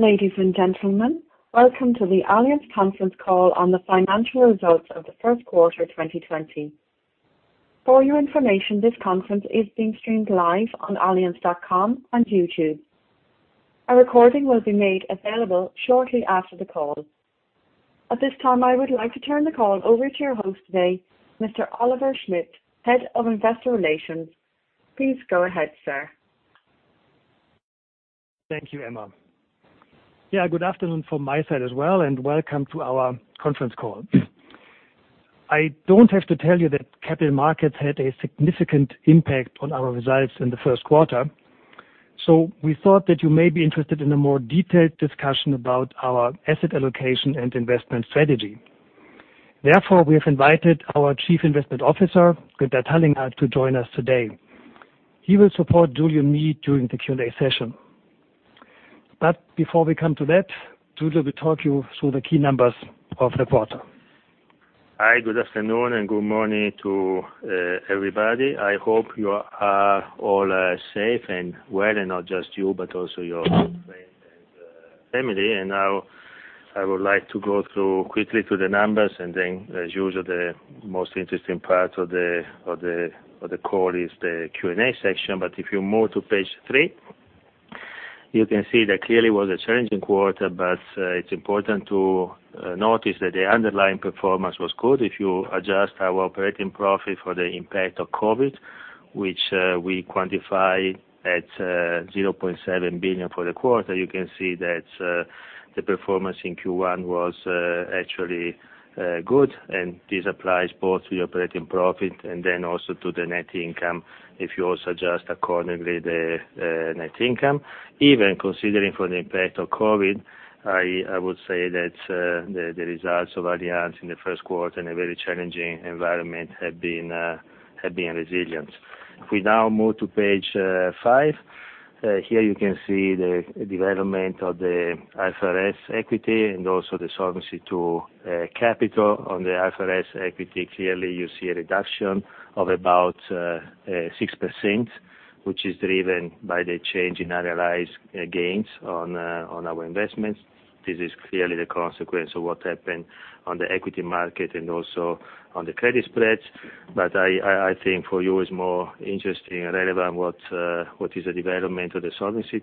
Ladies and gentlemen, welcome to the Allianz conference call on the financial results of the first quarter 2020. For your information, this conference is being streamed live on allianz.com and YouTube. A recording will be made available shortly after the call. At this time, I would like to turn the call over to your host today, Mr. Oliver Schmidt, Head of Investor Relations. Please go ahead, sir. Thank you, Emma. Yeah, good afternoon from my side as well, and welcome to our conference call. I don't have to tell you that capital markets had a significant impact on our results in the first quarter. We thought that you may be interested in a more detailed discussion about our asset allocation and investment strategy. Therefore, we have invited our Chief Investment Officer, Günther Helling, to join us today. He will support Giulio and me during the Q&A session. Before we come to that, Giulio will talk you through the key numbers of the quarter. Hi, good afternoon and good morning to everybody. I hope you are all safe and well, and not just you, but also your friend and family. Now I would like to go through quickly to the numbers, then, as usual, the most interesting part of the call is the Q&A section. If you move to page three, you can see that clearly it was a challenging quarter, but it's important to notice that the underlying performance was good. If you adjust our operating profit for the impact of COVID, which we quantify at 0.7 billion for the quarter, you can see that the performance in Q1 was actually good. This applies both to the operating profit, and then also to the net income, if you also adjust accordingly the net income. Even considering for the impact of COVID, I would say that the results of Allianz in the first quarter in a very challenging environment have been resilient. We now move to page five, here you can see the development of the IFRS equity and also the Solvency II capital. On the IFRS equity, clearly you see a reduction of about 6%, which is driven by the change in unrealized gains on our investments. This is clearly the consequence of what happened on the equity market and also on the credit spreads. I think for you, it's more interesting and relevant what is the development of the solvency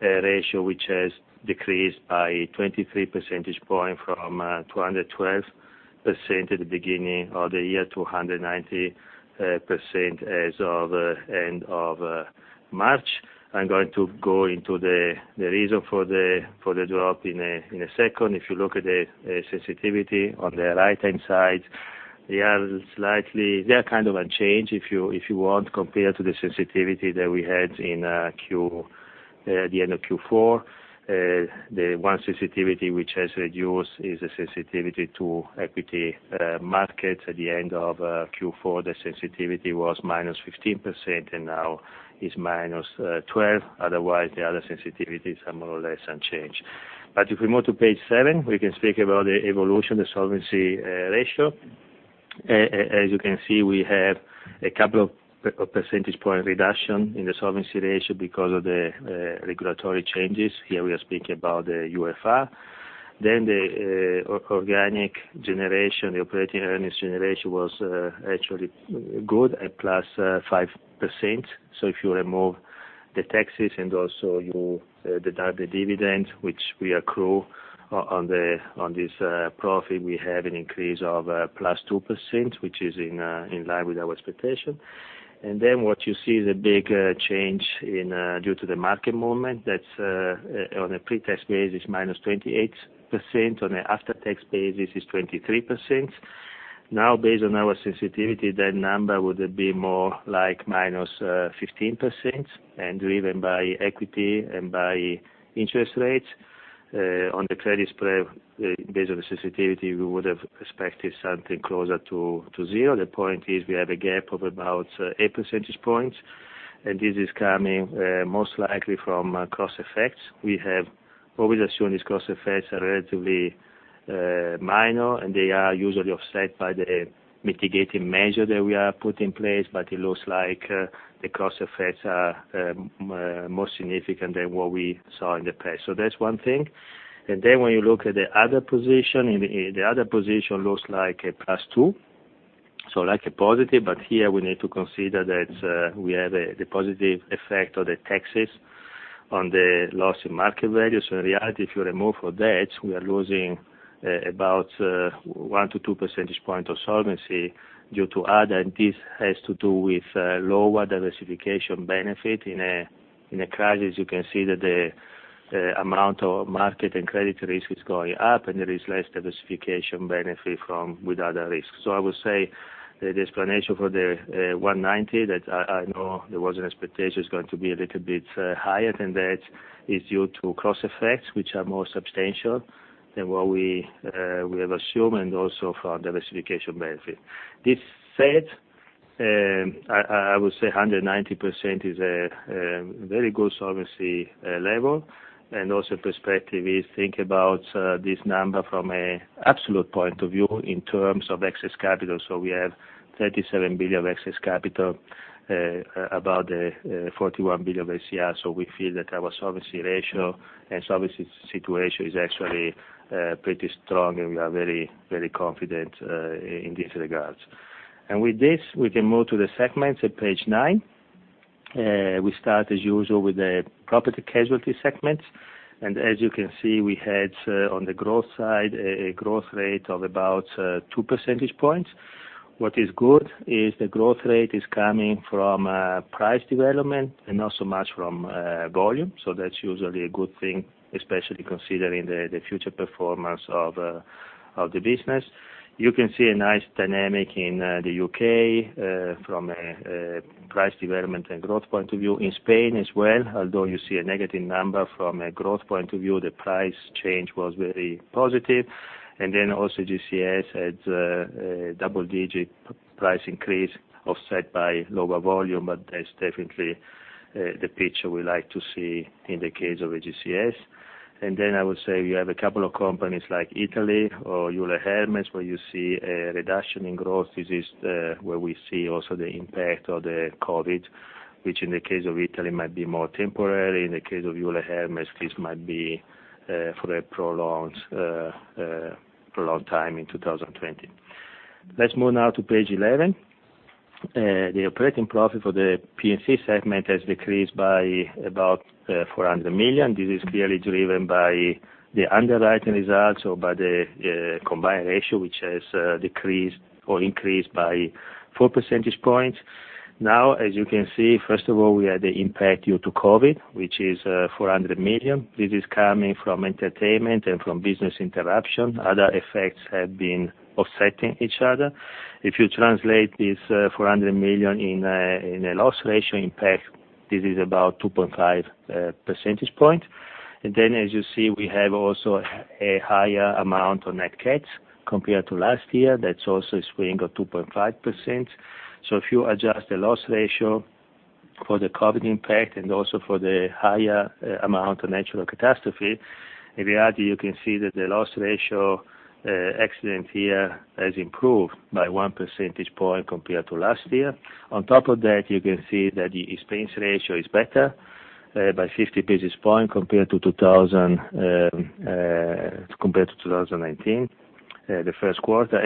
ratio which has decreased by 23 percentage points from 212% at the beginning of the year to 190% as of end of March. I'm going to go into the reason for the drop in a second. If you look at the sensitivity on the right-hand side, they are kind of unchanged, if you want, compared to the sensitivity that we had at the end of Q4. The one sensitivity which has reduced is the sensitivity to equity markets. At the end of Q4, the sensitivity was -15%, and now it's -12. Otherwise, the other sensitivities are more or less unchanged. If we move to page seven, we can speak about the evolution of the solvency ratio. As you can see, we have a couple of percentage point reduction in the solvency ratio because of the regulatory changes. Here we are speaking about the UFR. The organic generation, the operating earnings generation, was actually good at plus 5%. If you remove the taxes and also the dividend, which we accrue on this profit, we have an increase of +2%, which is in line with our expectation. What you see is a big change due to the market movement, that's on a pre-tax basis, -28%. On an after-tax basis, it's 23%. Based on our sensitivity, that number would be more like -15%, and driven by equity and by interest rates. On the credit spread, based on the sensitivity, we would have expected something closer to zero. The point is we have a gap of about 8 percentage points, and this is coming most likely from cross effects. We have always assumed these cross effects are relatively minor, and they are usually offset by the mitigating measure that we have put in place, but it looks like the cross effects are more significant than what we saw in the past. That's one thing. When you look at the other position, the other position looks like a plus two, so like a positive, but here we need to consider that we have the positive effect of the taxes on the loss in market values. In reality, if you remove that, we are losing about one to two percentage point of solvency due to other. This has to do with lower diversification benefit. In a crisis, you can see that the amount of market and credit risk is going up, and there is less diversification benefit with other risks. I would say the explanation for the 190%, that I know there was an expectation it's going to be a little bit higher than that, is due to cross effects, which are more substantial than what we have assumed, and also for diversification benefit. This said, I would say 190% is a very good solvency level. Also perspective is think about this number from an absolute point of view in terms of excess capital. We have 37 billion excess capital above the 41 billion of SCR, so we feel that our solvency ratio and solvency situation is actually pretty strong, and we are very confident in these regards. With this, we can move to the segments at page nine. We start, as usual, with the property casualty segment. As you can see, we had, on the growth side, a growth rate of about two percentage points. What is good is the growth rate is coming from price development and not so much from volume. That's usually a good thing, especially considering the future performance of the business. You can see a nice dynamic in the U.K. from a price development and growth point of view. In Spain as well, although you see a negative number from a growth point of view, the price change was very positive. Also AGCS had a double-digit price increase offset by lower volume, but that's definitely the picture we like to see in the case of AGCS. I would say you have a couple of companies like Italy or Euler Hermes, where you see a reduction in growth. This is where we see also the impact of the COVID, which in the case of Italy might be more temporary. In the case of Euler Hermes, this might be for a prolonged time in 2020. Let's move now to page 11. The operating profit for the P&C segment has decreased by about 400 million. This is clearly driven by the underwriting results or by the combined ratio, which has decreased or increased by 4 percentage points. As you can see, first of all, we had the impact due to COVID, which is 400 million. This is coming from entertainment and from business interruption. Other effects have been offsetting each other. If you translate this 400 million in a loss ratio impact, this is about 2.5 percentage points. As you see, we have also a higher amount of net cats compared to last year. That's also a swing of 2.5%. If you adjust the loss ratio for the COVID impact and also for the higher amount of natural catastrophe, in reality, you can see that the loss ratio accident here has improved by one percentage point compared to last year. On top of that, you can see that the expense ratio is better by 50 basis points compared to 2019, the first quarter.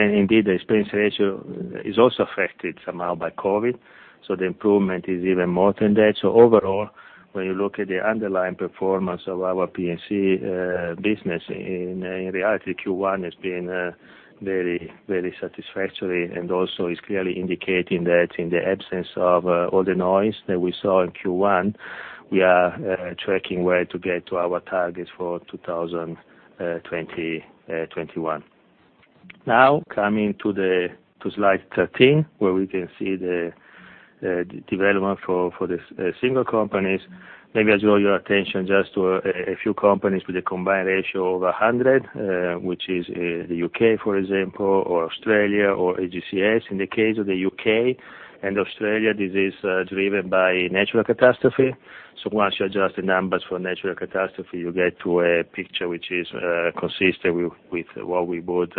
The expense ratio is also affected somehow by COVID, the improvement is even more than that. Overall, when you look at the underlying performance of our P&C business, in reality, Q1 has been very satisfactory and also is clearly indicating that in the absence of all the noise that we saw in Q1, we are tracking well to get to our targets for 2021. Coming to slide 13, where we can see the development for the single companies. Maybe I draw your attention just to a few companies with a combined ratio over 100, which is the U.K., for example, or Australia or AGCS. In the case of the U.K. and Australia, this is driven by natural catastrophe. Once you adjust the numbers for natural catastrophe, you get to a picture which is consistent with what we would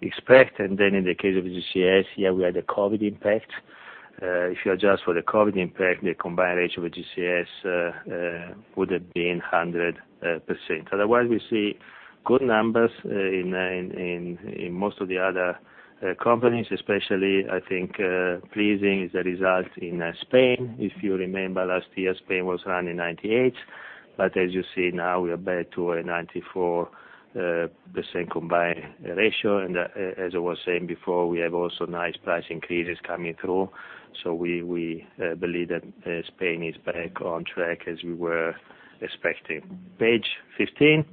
expect. In the case of AGCS, here we had the COVID impact. If you adjust for the COVID impact, the combined ratio of AGCS would have been 100%. Otherwise, we see good numbers in most of the other companies, especially, I think, pleasing is the result in Spain. If you remember last year, Spain was around 98. As you see now, we are back to a 94% combined ratio. As I was saying before, we have also nice price increases coming through. We believe that Spain is back on track as we were expecting. Page 15,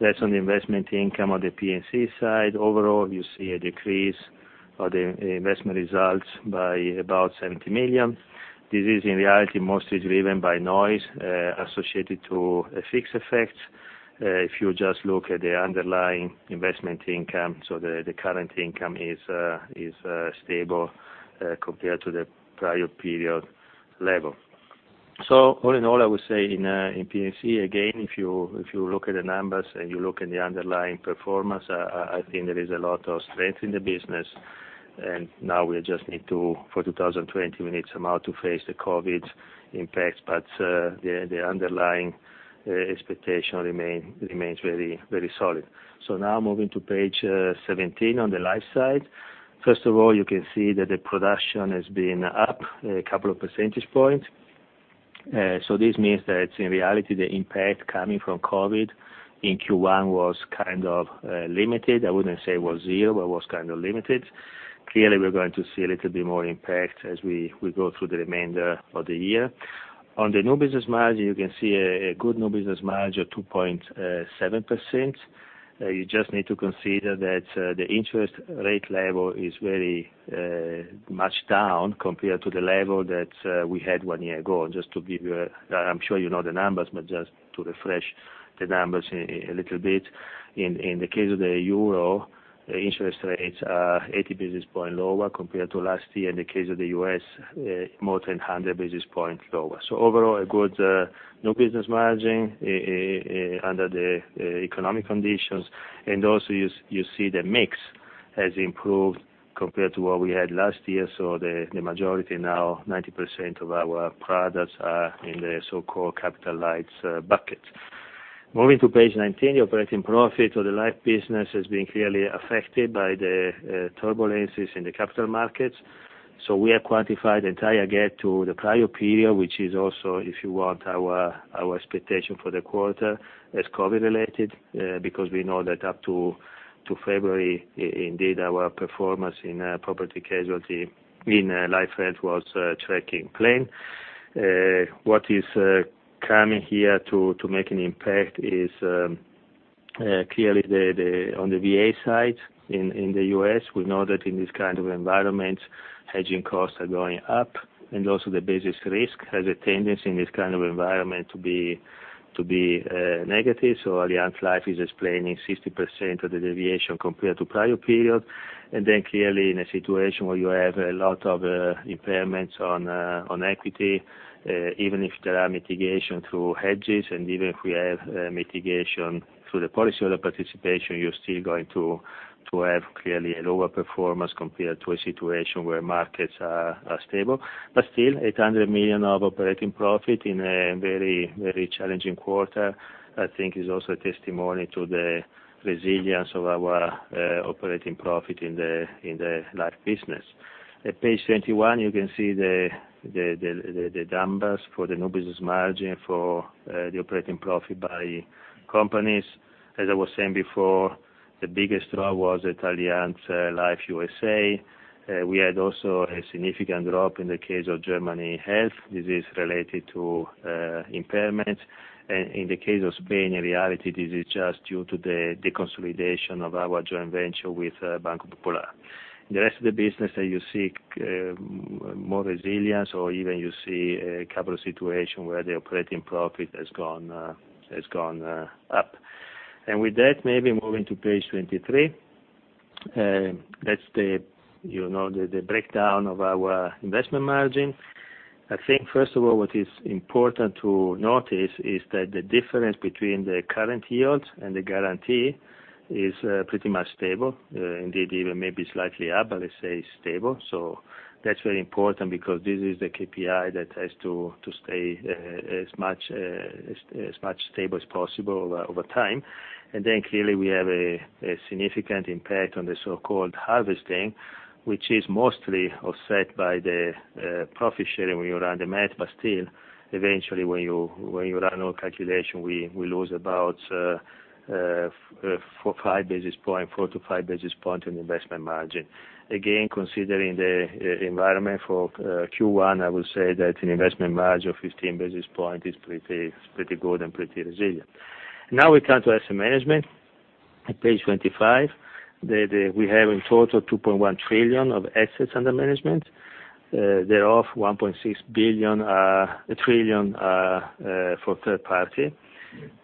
that's on the investment income on the P&C side. Overall, you see a decrease of the investment results by about 70 million. This is in reality mostly driven by noise associated to FX effects. If you just look at the underlying investment income, the current income is stable compared to the prior period level. All in all, I would say in P&C, again, if you look at the numbers and you look in the underlying performance, I think there is a lot of strength in the business. Now for 2020, we need somehow to face the COVID impacts, but the underlying expectation remains very solid. Now moving to page 17 on the life side. First of all, you can see that the production has been up a couple of percentage points. This means that in reality, the impact coming from COVID in Q1 was kind of limited. I wouldn't say it was zero, but it was kind of limited. Clearly, we're going to see a little bit more impact as we go through the remainder of the year. On the new business margin, you can see a good new business margin of 2.7%. You just need to consider that the interest rate level is very much down compared to the level that we had one year ago. I'm sure you know the numbers, but just to refresh the numbers a little bit. In the case of the euro, the interest rates are 80 basis points lower compared to last year. In the case of the U.S., more than 100 basis points lower. Overall, a good new business margin under the economic conditions. You see the mix has improved compared to what we had last year. The majority now, 90% of our products are in the so-called capital-light bucket. Moving to page 19, the operating profit of the life business has been clearly affected by the turbulences in the capital markets. We have quantified the entire gap to the prior period, which is also, if you want, our expectation for the quarter, as COVID-related, because we know that up to February, indeed, our performance in property casualty in Life Health was tracking fine. What is coming here to make an impact is clearly on the VA side in the U.S. We know that in this kind of environment, hedging costs are going up and also the business risk has a tendency in this kind of environment to be negative. Allianz Life is explaining 60% of the deviation compared to the prior period. Clearly in a situation where you have a lot of impairments on equity, even if there are mitigation through hedges, and even if we have mitigation through the policyholder participation, you're still going to have clearly a lower performance compared to a situation where markets are stable. Still, 800 million of operating profit in a very challenging quarter, I think is also a testimony to the resilience of our operating profit in the life business. At page 21, you can see the numbers for the new business margin for the operating profit by companies. As I was saying before, the biggest drop was Allianz Life USA. We had also a significant drop in the case of Germany Health. This is related to impairments. In the case of Spain, in reality, this is just due to the deconsolidation of our joint venture with Banco Popular. The rest of the business you see more resilience or even you see a couple of situations where the operating profit has gone up. With that, maybe moving to page 23. That's the breakdown of our investment margin. I think first of all, what is important to notice is that the difference between the current yields and the guarantee is pretty much stable. Indeed, even maybe slightly up, but let's say stable. That's very important because this is the KPI that has to stay as much stable as possible over time. Then clearly, we have a significant impact on the so-called harvesting, which is mostly offset by the profit sharing when you run the math. Still, eventually, when you run our calculation, we lose about 4 to 5 basis points in investment margin. Again, considering the environment for Q1, I will say that an investment margin of 15 basis points is pretty good and pretty resilient. Now we come to asset management on page 25. We have in total 2.1 trillion of assets under management. Thereof, 1.6 trillion are for third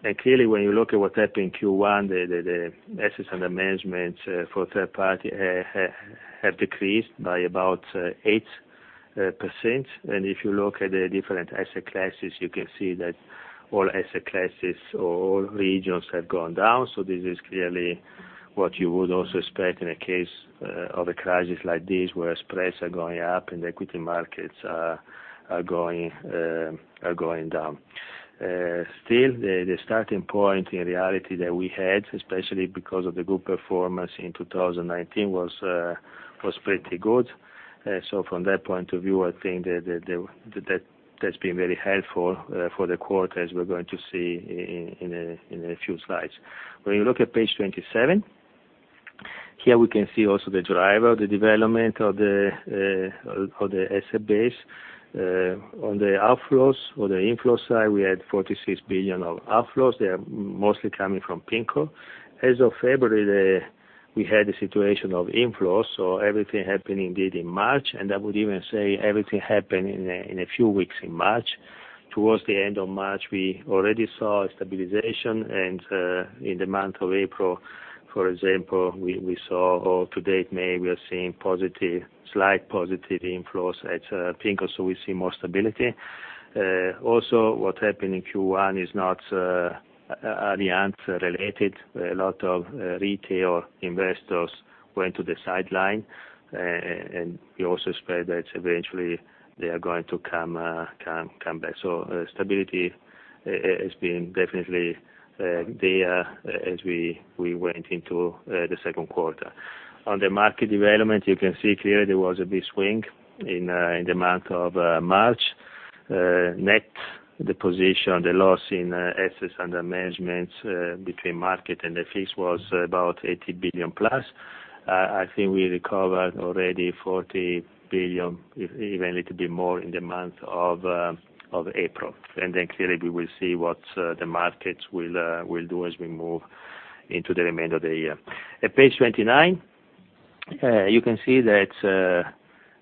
party. Clearly when you look at what happened in Q1, the assets under management for third party have decreased by about 8%. If you look at the different asset classes, you can see that all asset classes or all regions have gone down. This is clearly what you would also expect in a case of a crisis like this, where spreads are going up and the equity markets are going down. Still, the starting point in reality that we had, especially because of the good performance in 2019, was pretty good. From that point of view, I think that's been very helpful for the quarter, as we're going to see in a few slides. When you look at page 27, here we can see also the driver, the development of the asset base. On the outflows or the inflow side, we had 46 billion of outflows. They are mostly coming from PIMCO. As of February, we had a situation of inflows. Everything happened indeed in March. I would even say everything happened in a few weeks in March. Towards the end of March, we already saw a stabilization. In the month of April, for example, we saw or to date May, we are seeing slight positive inflows at PIMCO. We see more stability. What happened in Q1 is not Allianz related. A lot of retail investors went to the sideline, and we also expect that eventually they are going to come back. Stability has been definitely there as we went into the second quarter. On the market development, you can see clearly there was a big swing in the month of March. Net, the position, the loss in assets under management between market and the FX was about 80 billion plus. I think we recovered already 40 billion, even a little bit more in the month of April. Clearly we will see what the markets will do as we move into the remainder of the year. At page 29. You can see that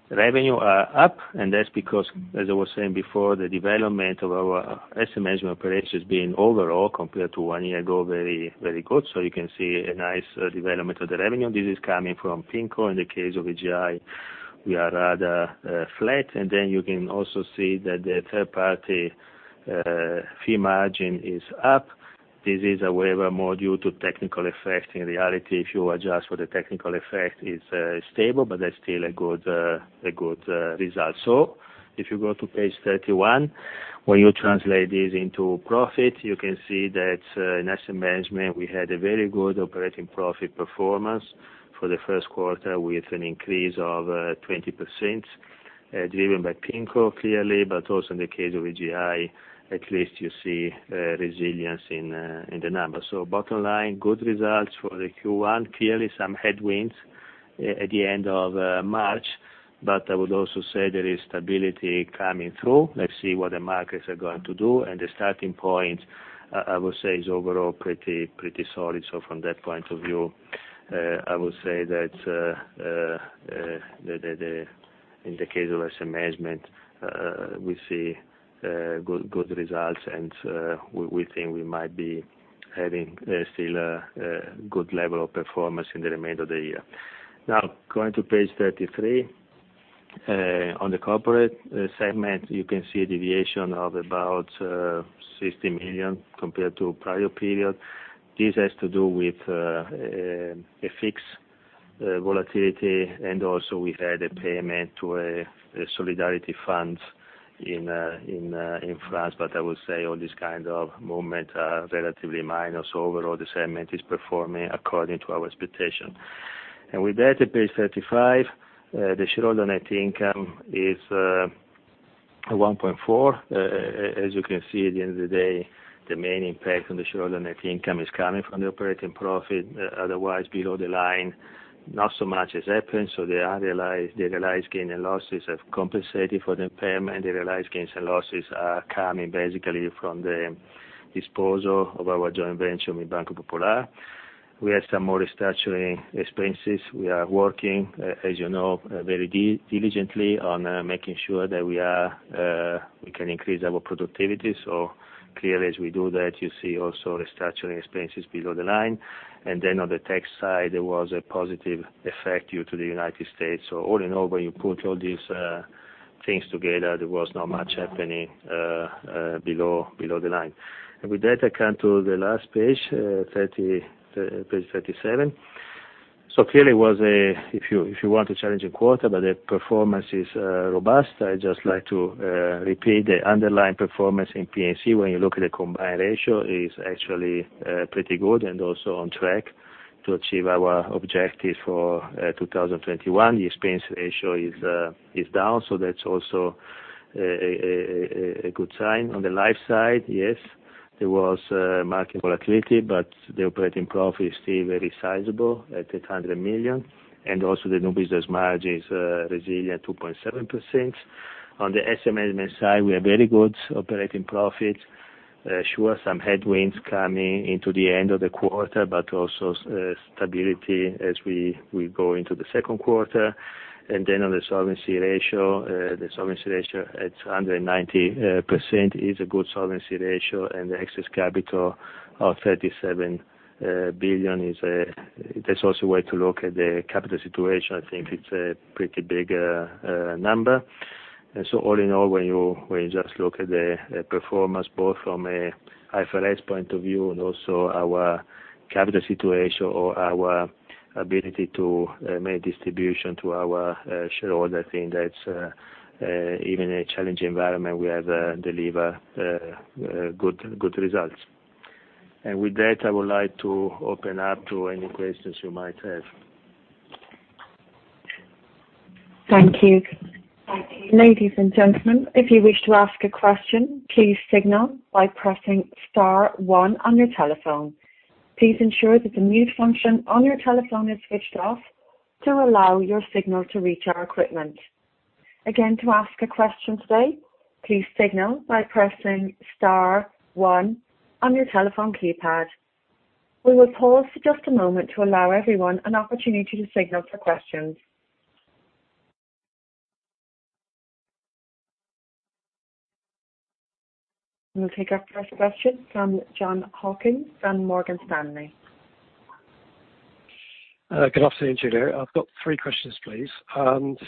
revenue are up, and that's because, as I was saying before, the development of our asset management operations being overall, compared to one year ago, very good. You can see a nice development of the revenue. This is coming from PIMCO. In the case of AGI, we are rather flat. You can also see that the third party fee margin is up. This is, however, more due to technical effect. In reality, if you adjust for the technical effect, it's stable, but that's still a good result. If you go to page 31, where you translate this into profit, you can see that in asset management, we had a very good operating profit performance for the first quarter with an increase of 20%, driven by PIMCO, clearly, but also in the case of AGI, at least you see resilience in the numbers. Bottom line, good results for the Q1. Clearly some headwinds at the end of March, but I would also say there is stability coming through. Let's see what the markets are going to do. The starting point, I would say, is overall pretty solid. From that point of view, I would say that in the case of asset management, we see good results and we think we might be having still a good level of performance in the remainder of the year. Now, going to page 33. On the corporate segment, you can see a deviation of about 60 million compared to prior period. This has to do with FX volatility, and also we had a payment to a solidarity fund in France. I would say all this kind of movement are relatively minor, so overall, the segment is performing according to our expectation. With that, at page 35, the shareholder net income is 1.4. As you can see, at the end of the day, the main impact on the shareholder net income is coming from the operating profit. Below the line, not so much has happened. The realized gain and losses have compensated for the impairment. The realized gains and losses are coming basically from the disposal of our joint venture with Banco Popular. We have some more restructuring expenses. We are working, as you know, very diligently on making sure that we can increase our productivity. Clearly, as we do that, you see also restructuring expenses below the line. On the tax side, there was a positive effect due to the United States. All in all, when you put all these things together, there was not much happening below the line. With that, I come to the last page 37. Clearly, if you want to challenge a quarter, but the performance is robust. I'd just like to repeat the underlying performance in P&C. When you look at the combined ratio, it is actually pretty good and also on track to achieve our objective for 2021. The expense ratio is down, that's also a good sign. On the life side, yes, there was market volatility, the operating profit is still very sizable at 800 million. Also the new business margin is resilient, 2.7%. On the asset management side, we are very good operating profit. Sure, some headwinds coming into the end of the quarter, also stability as we go into the second quarter. On the solvency ratio, the solvency ratio at 190% is a good solvency ratio, the excess capital of 37 billion is a resourceful way to look at the capital situation. I think it's a pretty big number. All in all, when you just look at the performance, both from a IFRS point of view and also our capital situation or our ability to make distribution to our shareholders, I think that's even a challenging environment, we have delivered good results. With that, I would like to open up to any questions you might have. Thank you. Ladies and gentlemen, if you wish to ask a question, please signal by pressing star one on your telephone. Please ensure that the mute function on your telephone is switched off to allow your signal to reach our equipment. Again, to ask a question today, please signal by pressing star one on your telephone keypad. We will pause for just a moment to allow everyone an opportunity to signal for questions. We'll take our first question from [John Hawkins] from Morgan Stanley. Good afternoon, Giulio. I've got three questions, please.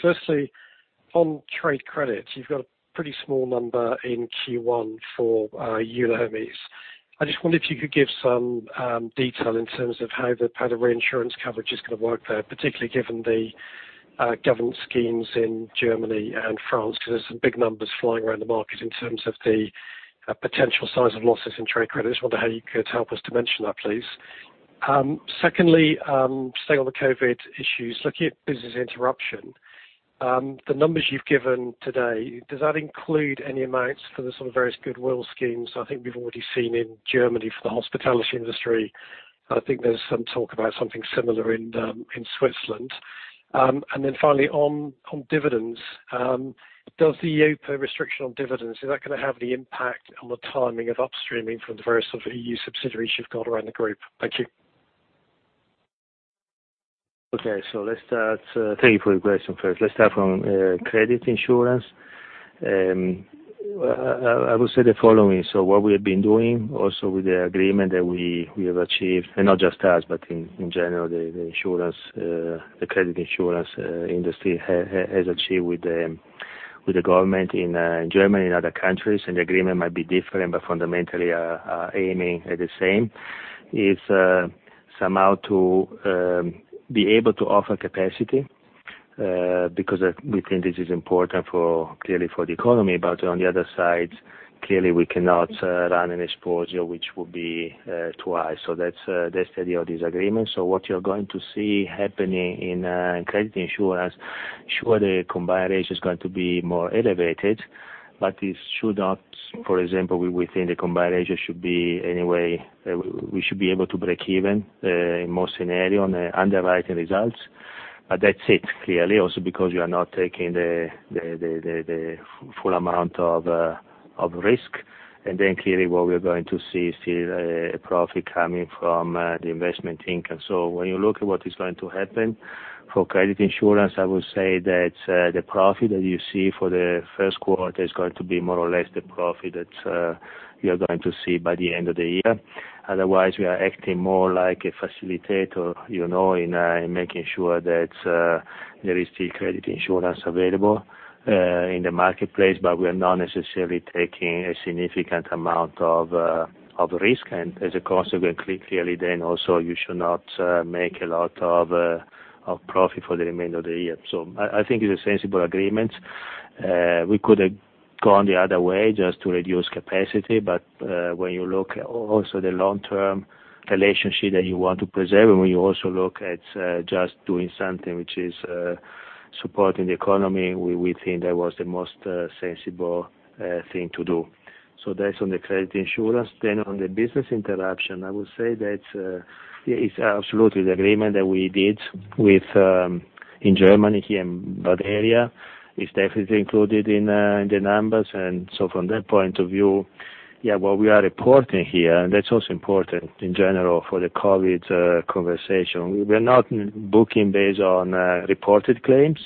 Firstly, on trade credit, you've got a pretty small number in Q1 for Euler Hermes. I just wonder if you could give some detail in terms of how the reinsurance coverage is going to work there, particularly given the government schemes in Germany and France, because there's some big numbers flying around the market in terms of the potential size of losses in trade credit. I just wonder how you could help us dimension that, please. Secondly, staying on the COVID issues, looking at business interruption. The numbers you've given today, does that include any amounts for the sort of various goodwill schemes I think we've already seen in Germany for the hospitality industry? I think there's some talk about something similar in Switzerland. Finally on dividends, does the EIOPA restriction on dividends, is that going to have any impact on the timing of upstreaming from the various sort of EU subsidiaries you've got around the group? Thank you. Okay. Let's start. Thank you for your question, first. Let's start from credit insurance. I would say the following. What we have been doing, also with the agreement that we have achieved, and not just us, but in general, the credit insurance industry has achieved with the government in Germany and other countries. The agreement might be different, but fundamentally are aiming at the same, is somehow to be able to offer capacity, because we think this is important clearly for the economy, but on the other side, clearly we cannot run an exposure which will be too high. That's the idea of this agreement. What you're going to see happening in credit insurance, sure, the combined ratio is going to be more elevated. For example, within the combined ratio, we should be able to break even in most scenario on the underwriting results. That's it, clearly, also because you are not taking the full amount of risk. Clearly what we are going to see is still a profit coming from the investment income. When you look at what is going to happen for credit insurance, I would say that the profit that you see for the first quarter is going to be more or less the profit that you are going to see by the end of the year. Otherwise, we are acting more like a facilitator in making sure that there is still credit insurance available in the marketplace, but we are not necessarily taking a significant amount of risk. As a consequence, clearly then also you should not make a lot of profit for the remainder of the year. I think it's a sensible agreement. We could have gone the other way just to reduce capacity. When you look also the long-term relationship that you want to preserve, and when you also look at just doing something which is supporting the economy, we think that was the most sensible thing to do. That's on the credit insurance. On the business interruption, I would say that it's absolutely the agreement that we did in Germany here in that area is definitely included in the numbers. From that point of view, what we are reporting here, that's also important in general for the COVID conversation. We are not booking based on reported claims.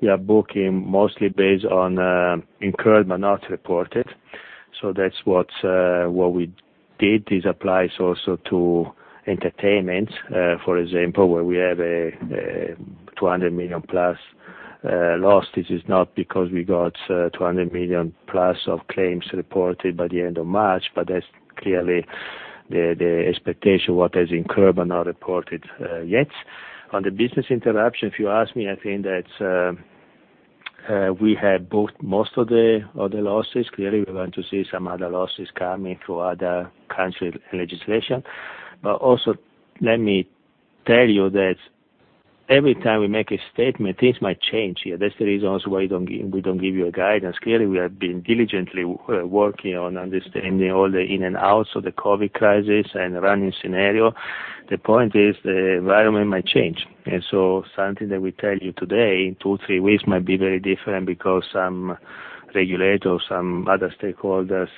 We are booking mostly based on incurred but not reported. That's what we did. This applies also to entertainment, for example, where we have a 200 million-plus loss. This is not because we got 200 million-plus of claims reported by the end of March, but that's clearly the expectation what is incurred but not reported yet. On the business interruption, if you ask me, I think that we have booked most of the losses. We are going to see some other losses coming through other country legislation. Also, let me tell you that every time we make a statement, things might change here. That's the reason also why we don't give you a guidance. We have been diligently working on understanding all the in and outs of the COVID crisis and running scenario. The point is, the environment might change. Something that we tell you today, in two, three weeks might be very different because some regulators, some other stakeholders,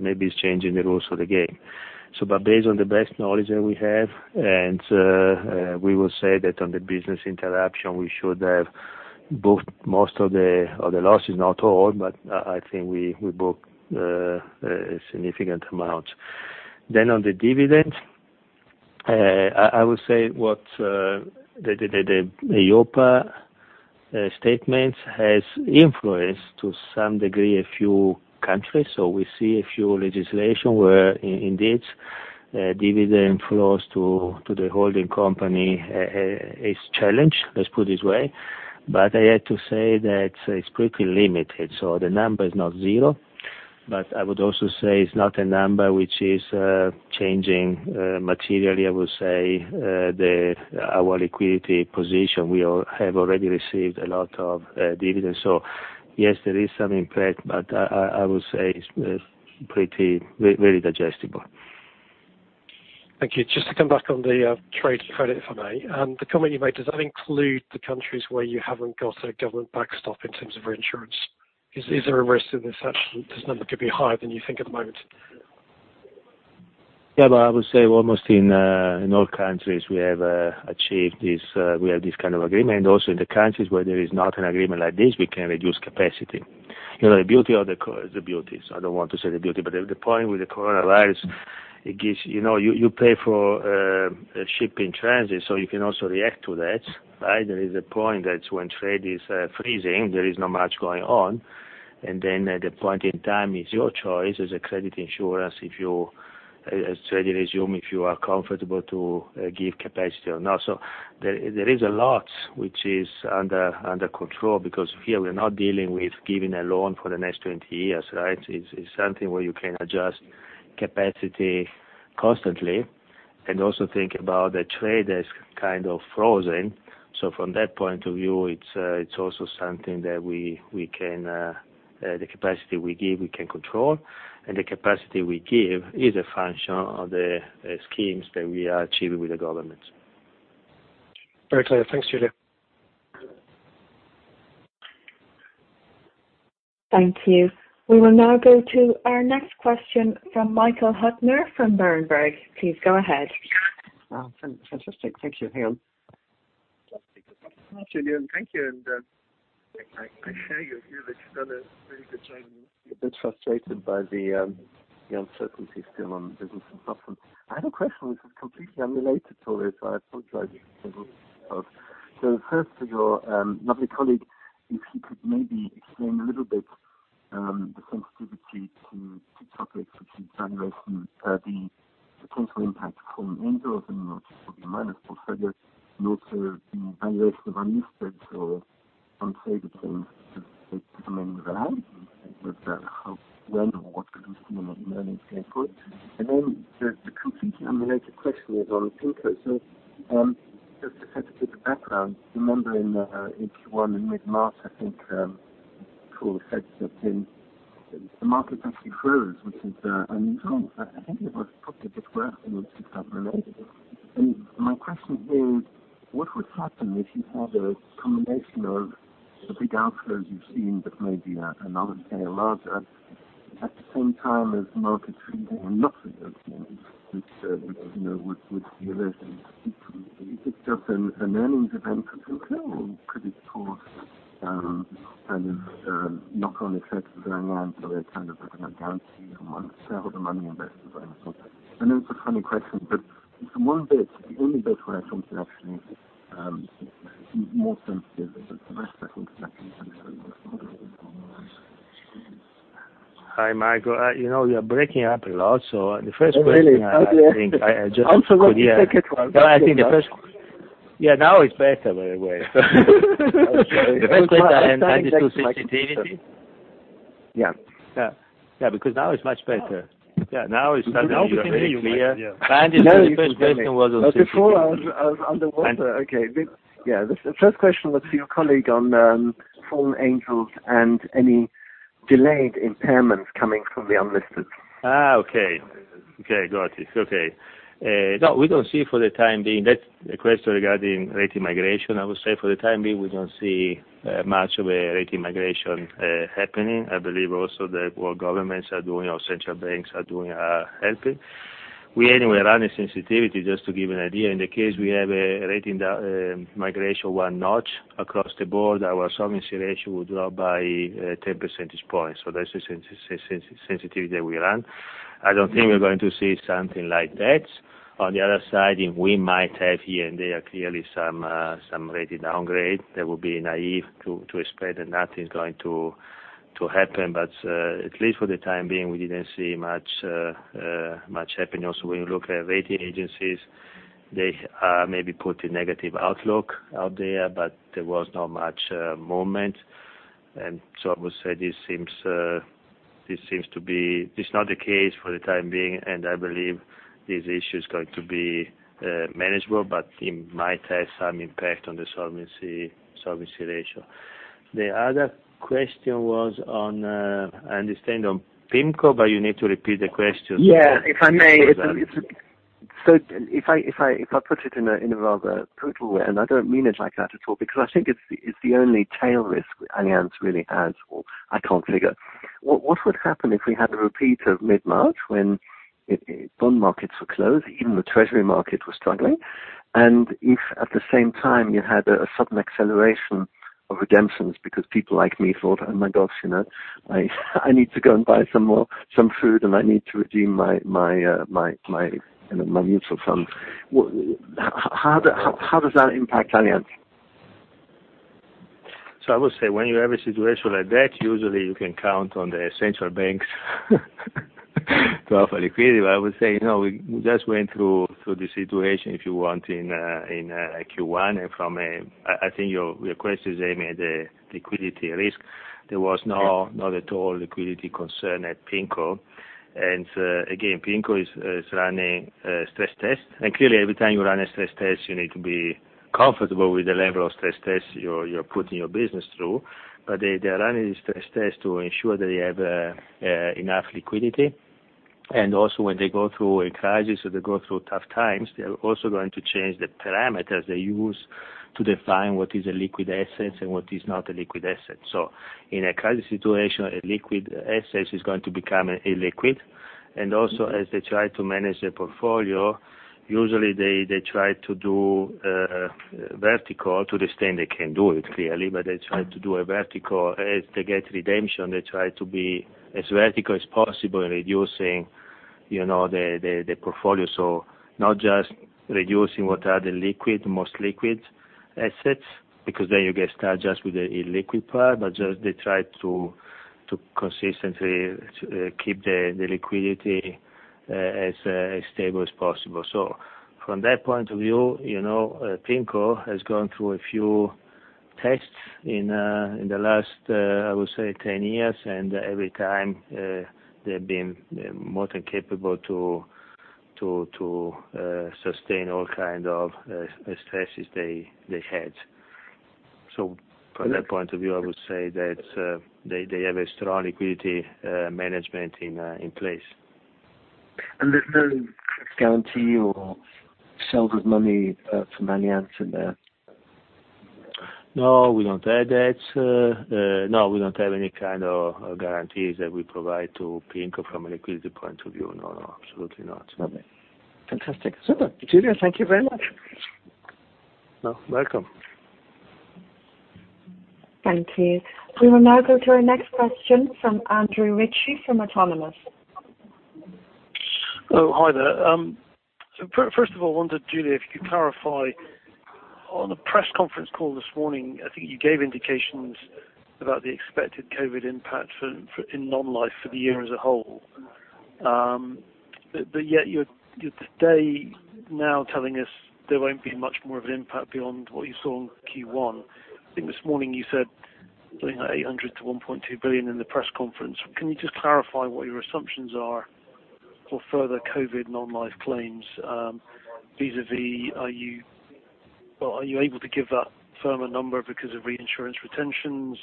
maybe is changing the rules of the game. Based on the best knowledge that we have, and we will say that on the business interruption, we should have booked most of the losses, not all, but I think we booked a significant amount. On the dividend, I would say what the EIOPA statement has influenced, to some degree, a few countries. We see a few legislation where indeed dividend flows to the holding company is challenged, let's put it this way. I have to say that it's pretty limited. The number is not zero, but I would also say it's not a number which is changing materially, I would say, our liquidity position. We have already received a lot of dividends. Yes, there is some impact, but I would say it's very digestible. Thank you. Just to come back on the trade credit, if I may. The comment you made, does that include the countries where you haven't got a government backstop in terms of reinsurance? Is there a risk that this number could be higher than you think at the moment? I would say almost in all countries, we have this kind of agreement. Also in the countries where there is not an agreement like this, we can reduce capacity. The point with the coronavirus, you pay for a ship in transit, so you can also react to that, right? There is a point that when trade is freezing, there is not much going on. At a point in time, it's your choice as a credit insurer, as trade resumes, if you are comfortable to give capacity or not. There is a lot which is under control because here we are not dealing with giving a loan for the next 20 years, right? It's something where you can adjust capacity constantly and also think about the trade as kind of frozen. From that point of view, it's also something that the capacity we give, we can control, and the capacity we give is a function of the schemes that we are achieving with the governments. Very clear. Thanks, Giulio. Thank you. We will now go to our next question from Michael Huttner from Berenberg. Please go ahead. Wow. Fantastic. Thank you. Hang on. Just thank you. I hear you've done a really good job and you're a bit frustrated by the uncertainty still on business and stuff. I have a question which is completely unrelated to this. I apologize in advance. First, for your lovely colleague, if he could maybe explain a little bit the sensitivity to [Solvency], which is valuation, the potential impact from AGCS and not just probably PIMCO, but further, and also the valuation of unlisted or unfavorable things that remain around and how, when or what could we see them on earnings input. Then the completely unrelated question is on PIMCO. Just a bit of background. Remember in Q1 in mid-March, I think, Paul said that the market actually froze, which is unusual. I think it was probably just worth it was to that related. My question is, what would happen if you had a combination of the big outflows you've seen, but maybe another scale larger at the same time as the market freezing, not that, which would be a very unusual event. Is it just an earnings event for PIMCO, or could it cause some knock-on effects going on for the kind of like a guarantee on sell the money invested by PIMCO? I know it's a funny question, but it's the one bit, the only bit where I thought it actually is more sensitive, but the rest I think is actually sensitive. Hi, Michael. You're breaking up a lot. Oh, really? I think I just. I'm sorry. Yeah. Take it. No, I think the first Yeah, now it's better, by the way. The first question, I understand. Sensitivity. Yeah. Yeah. Because now it's much better. Yeah. Now it's done. Now we can hear you. Now we can hear you. Yeah. The first question was on sensitivity. Before I was underwater. Okay. Yeah, the first question was for your colleague on form angles and any delayed impairments coming from the unlisted. Okay. Got it. Okay. No, we don't see for the time being. That's the question regarding rating migration. I would say for the time being, we don't see much of a rating migration happening. I believe also that what governments are doing or central banks are doing are helping. We anyway run a sensitivity, just to give you an idea. In the case we have a rating migration one notch across the board, our solvency ratio would drop by 10 percentage points. That's the sensitivity that we run. I don't think we're going to see something like that. On the other side, we might have here and there clearly some rating downgrade. That would be naive to expect that nothing's going to happen. At least for the time being, we didn't see much happen. When you look at rating agencies, they are maybe put a negative outlook out there, but there was not much movement. I would say this is not the case for the time being, and I believe this issue is going to be manageable, but it might have some impact on the solvency ratio. The other question was on, I understand, on PIMCO, but you need to repeat the question. Yeah, if I may. If I put it in a rather brutal way, and I don't mean it like that at all, because I think it's the only tail risk Allianz really has, or I can't think of. What would happen if we had a repeat of mid-March when bond markets were closed, even the treasury market was struggling, and if at the same time you had a sudden acceleration of redemptions because people like me thought, "Oh, my gosh, I need to go and buy some food, and I need to redeem my mutual funds." How does that impact Allianz? I would say when you have a situation like that, usually you can count on the central banks to offer liquidity. I would say, we just went through the situation, if you want, in Q1, and I think your request is aimed at liquidity risk. There was none at all liquidity concern at PIMCO. Again, PIMCO is running a stress test. Clearly, every time you run a stress test, you need to be comfortable with the level of stress test you're putting your business through. They are running a stress test to ensure that they have enough liquidity. Also, when they go through a crisis or they go through tough times, they are also going to change the parameters they use to define what is a liquid asset and what is not a liquid asset. In a crisis situation, a liquid asset is going to become illiquid. Also, as they try to manage their portfolio, usually they try to do vertical to the extent they can do it, clearly, but they try to do a vertical. As they get redemption, they try to be as vertical as possible in reducing the portfolio. Not just reducing what are the most liquid assets, because then you get stuck just with the illiquid part, but just they try to consistently keep the liquidity as stable as possible. From that point of view, PIMCO has gone through a few tests in the last, I would say, 10 years, and every time, they've been more than capable to sustain all kind of stresses they had. From that point of view, I would say that they have a strong liquidity management in place. There's no guarantee or sell the money from Allianz in there? No, we don't have that. No, we don't have any kind of guarantees that we provide to PIMCO from a liquidity point of view. No, absolutely not. Okay. Fantastic. Super. Giulio, thank you very much. You're welcome. Thank you. We will now go to our next question from Andrew Ritchie from Autonomous. Oh, hi there. First of all, I wondered, Giulio, if you could clarify on the press conference call this morning, I think you gave indications about the expected COVID impact in non-life for the year as a whole. Yet you're today now telling us there won't be much more of an impact beyond what you saw in Q1. I think this morning you said something like 800 million to 1.2 billion in the press conference. Can you just clarify what your assumptions are for further COVID non-life claims, vis-a-vis, are you able to give a firmer number because of reinsurance retentions?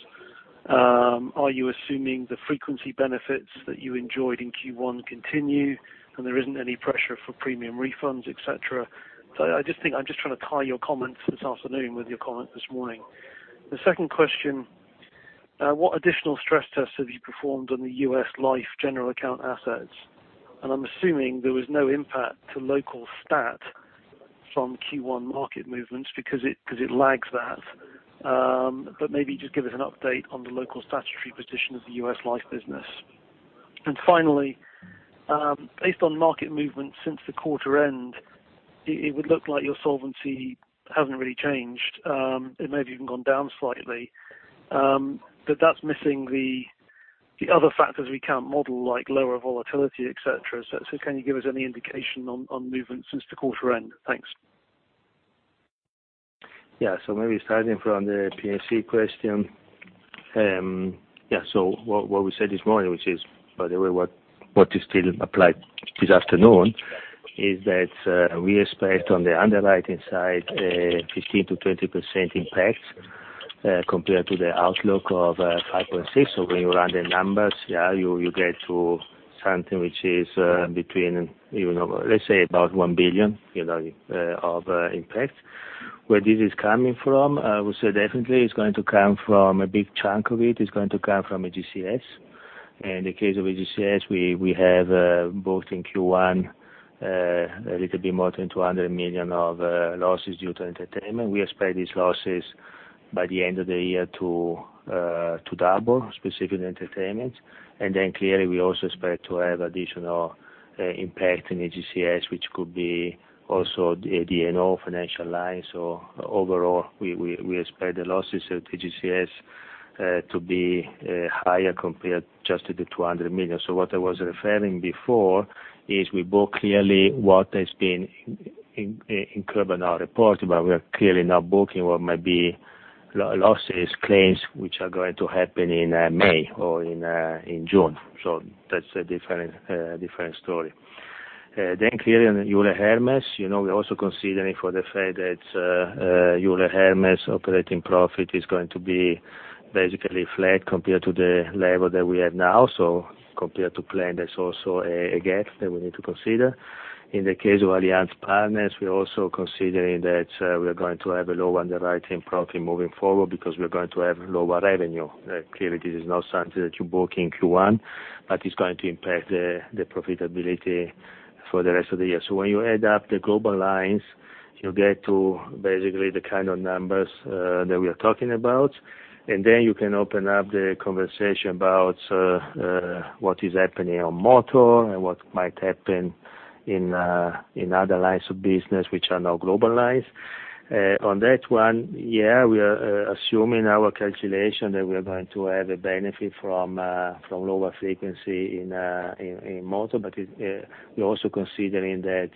Are you assuming the frequency benefits that you enjoyed in Q1 continue, and there isn't any pressure for premium refunds, et cetera? I'm just trying to tie your comments this afternoon with your comments this morning. The second question, what additional stress tests have you performed on the U.S. Life general account assets? I'm assuming there was no impact to local stat from Q1 market movements because it lags that. Maybe just give us an update on the local statutory position of the U.S. Life business. Finally, based on market movements since the quarter end, it would look like your solvency hasn't really changed. It may have even gone down slightly. That's missing the other factors we can't model, like lower volatility, et cetera. Can you give us any indication on movements since the quarter end? Thanks. Maybe starting from the P&C question. What we said this morning, which is, by the way, what is still applied this afternoon, is that we expect on the underwriting side 15%-20% impact compared to the outlook of 5.6. When you run the numbers, you get to something which is between, let's say about 1 billion of impact. Where this is coming from, I would say definitely a big chunk of it is going to come from AGCS. In the case of AGCS, we have both in Q1, a little bit more than 200 million of losses due to entertainment. We expect these losses by the end of the year to double, specifically in entertainment. Clearly, we also expect to have additional impact in AGCS, which could be also the D&O financial line. Overall, we expect the losses at AGCS to be higher compared just to the 200 million. What I was referring before is we book clearly what has been incurred by now reported, but we are clearly now booking what might be losses, claims, which are going to happen in May or in June. Clearly on Euler Hermes, we're also considering for the fact that Euler Hermes operating profit is going to be basically flat compared to the level that we have now. Compared to plan, there's also a gap that we need to consider. In the case of Allianz Partners, we're also considering that we're going to have a low underwriting profit moving forward because we're going to have lower revenue. This is not something that you book in Q1, but it's going to impact the profitability for the rest of the year. When you add up the global lines, you get to basically the kind of numbers that we are talking about. You can open up the conversation about what is happening on motor and what might happen in other lines of business, which are now global lines. On that one, yeah, we are assuming our calculation that we are going to have a benefit from lower frequency in motor, but we're also considering that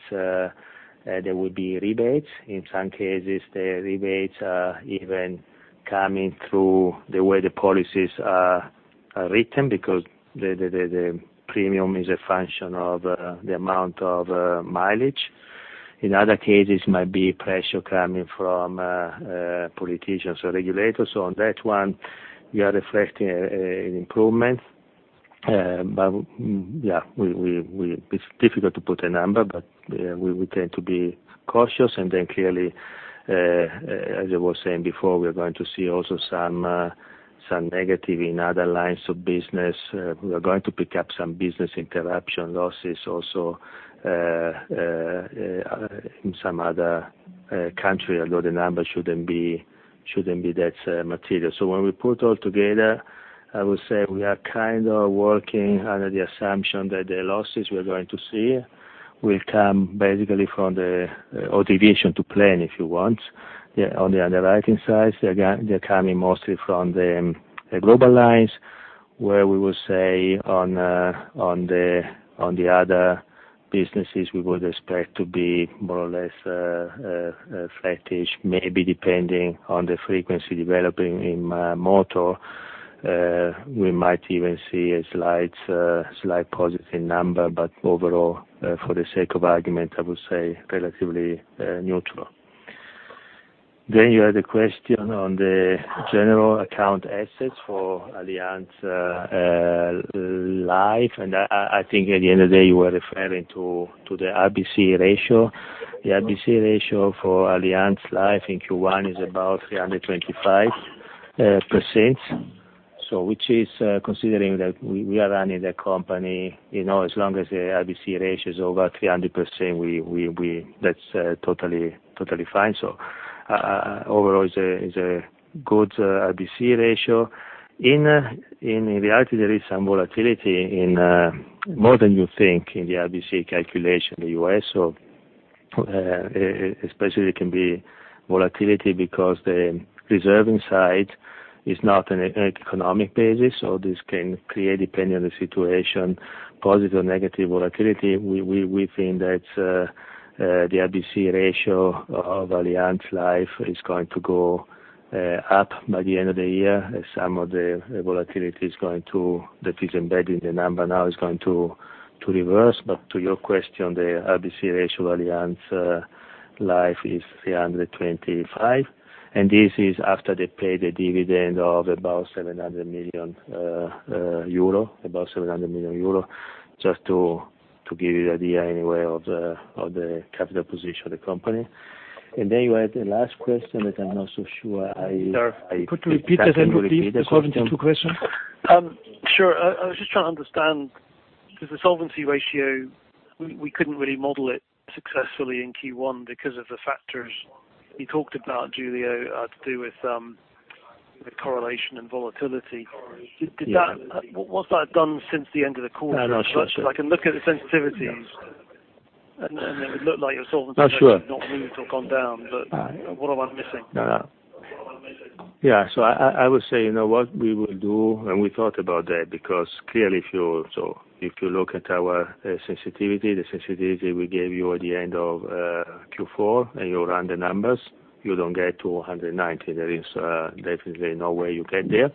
there will be rebates. In some cases, the rebates are even coming through the way the policies are written because the premium is a function of the amount of mileage. In other cases, might be pressure coming from politicians or regulators. On that one, we are reflecting an improvement. Yeah, it's difficult to put a number, but we tend to be cautious. Clearly, as I was saying before, we're going to see also some negative in other lines of business. We are going to pick up some business interruption losses also in some other country, although the numbers shouldn't be that material. When we put all together, I would say we are kind of working under the assumption that the losses we are going to see will come basically from the deviation to plan, if you want, on the underwriting side. They're coming mostly from the global lines, where we will say on the other businesses, we would expect to be more or less flattish, maybe depending on the frequency developing in motor. We might even see a slight positive number. Overall, for the sake of argument, I would say relatively neutral. You had a question on the general account assets for Allianz Life, and I think at the end of the day, you were referring to the RBC ratio. The RBC ratio for Allianz Life in Q1 is about 325%, which is considering that we are running the company, as long as the RBC ratio is over 300%, that's totally fine. Overall, it's a good RBC ratio. In reality, there is some volatility in more than you think in the RBC calculation in the U.S. Especially, it can be volatility because the reserving side is not on an economic basis, so this can create, depending on the situation, positive, negative volatility. We think that the RBC ratio of Allianz Life is going to go up by the end of the year, as some of the volatility that is embedded in the number now is going to reverse. To your question, the RBC ratio of Allianz Life is 325, and this is after they paid a dividend of about 700 million euro, just to give you the idea anyway of the capital position of the company. You had the last question that I'm not so sure. Sir, could you repeat the Solvency II question? Sure. I was just trying to understand, because the solvency ratio, we couldn't really model it successfully in Q1 because of the factors you talked about, Giulio, to do with the correlation and volatility. Yeah. What's that done since the end of the quarter? No, sure. I can look at the sensitivities, and it would look like your solvency ratio- No, sure. not moved or gone down, what am I missing? No. Yeah. I would say, you know what we will do, and we thought about that because clearly if you look at our sensitivity, the sensitivity we gave you at the end of Q4, and you run the numbers, you don't get to 190. There is definitely no way you get there.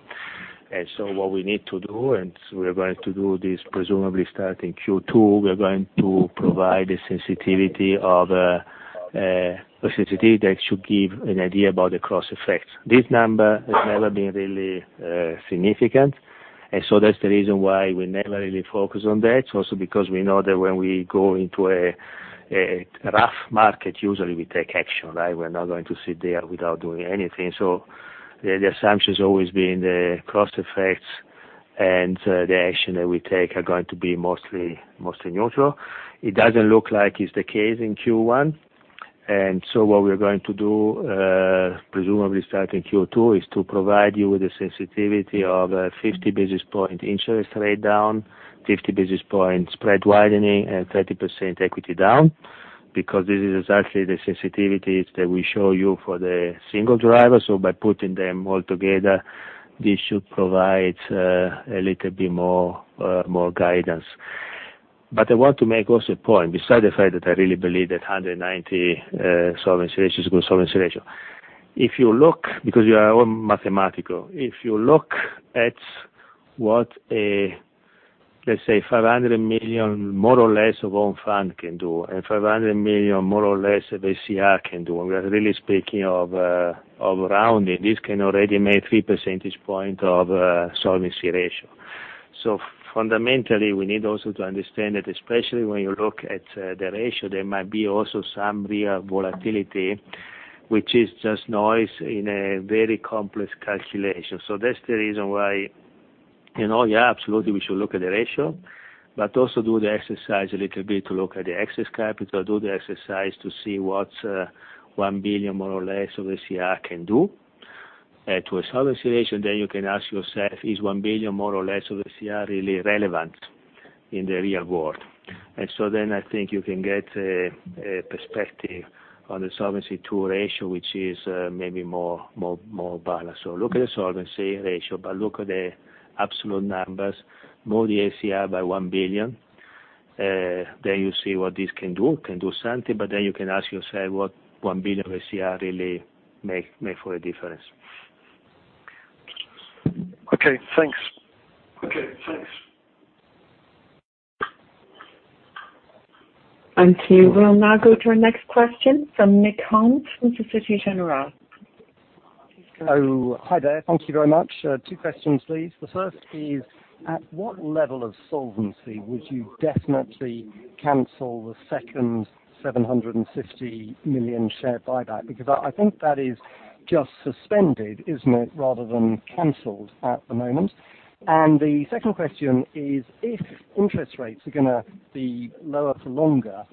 What we need to do, and we are going to do this presumably starting Q2, we are going to provide a sensitivity that should give an idea about the cross effects. This number has never been really significant, That's the reason why we never really focus on that. It's also because we know that when we go into a rough market, usually we take action, right? We're not going to sit there without doing anything. The assumption has always been the cost effects, and the action that we take are going to be mostly neutral. It doesn't look like it's the case in Q1. What we are going to do, presumably starting Q2, is to provide you with the sensitivity of 50 basis point interest rate down, 50 basis points spread widening, and 30% equity down. This is exactly the sensitivities that we show you for the single driver. By putting them all together, this should provide a little bit more guidance. I want to make also a point, beside the fact that I really believe that 190 solvency ratio is a good solvency ratio. Because you are all mathematical, if you look at what, let's say, 500 million, more or less of own fund can do, and 500 million, more or less, of SCR can do, and we are really speaking of rounding, this can already make three percentage points of solvency ratio. Fundamentally, we need also to understand that especially when you look at the ratio, there might be also some real volatility, which is just noise in a very complex calculation. That's the reason why, yeah, absolutely we should look at the ratio, but also do the exercise a little bit to look at the excess capital, do the exercise to see what 1 billion, more or less, of SCR can do to a solvency ratio. You can ask yourself, is 1 billion, more or less, of SCR really relevant in the real world? I think you can get a perspective on the Solvency II ratio, which is maybe more balanced. Look at the solvency ratio, but look at the absolute numbers, move the SCR by 1 billion, then you see what this can do. It can do something. You can ask yourself what 1 billion of SCR really make for a difference. Okay, thanks. Okay, thanks. Thank you. We'll now go to our next question from Nick Holmes from Societe Generale. Oh, hi there. Thank you very much. Two questions, please. The first is, at what level of solvency would you definitely cancel the second 750 million share buyback? Because I think that is just suspended, isn't it, rather than canceled at the moment. The second question is, if interest rates are going to be lower for longer,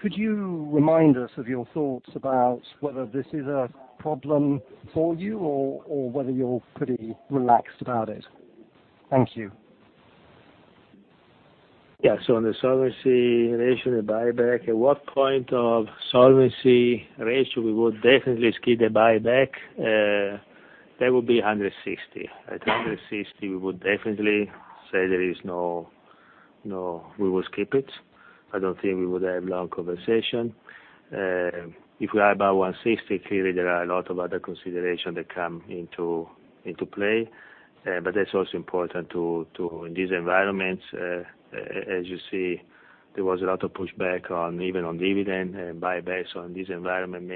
could you remind us of your thoughts about whether this is a problem for you or whether you're pretty relaxed about it? Thank you. On the solvency ratio, the buyback, at what point of solvency ratio we would definitely skip the buyback, that would be 160. At 160, we would definitely say we will skip it. I don't think we would have long conversation. If we are above 160, clearly, there are a lot of other considerations that come into play. That's also important too, in these environments, as you see, there was a lot of pushback even on dividend and buybacks on this environment,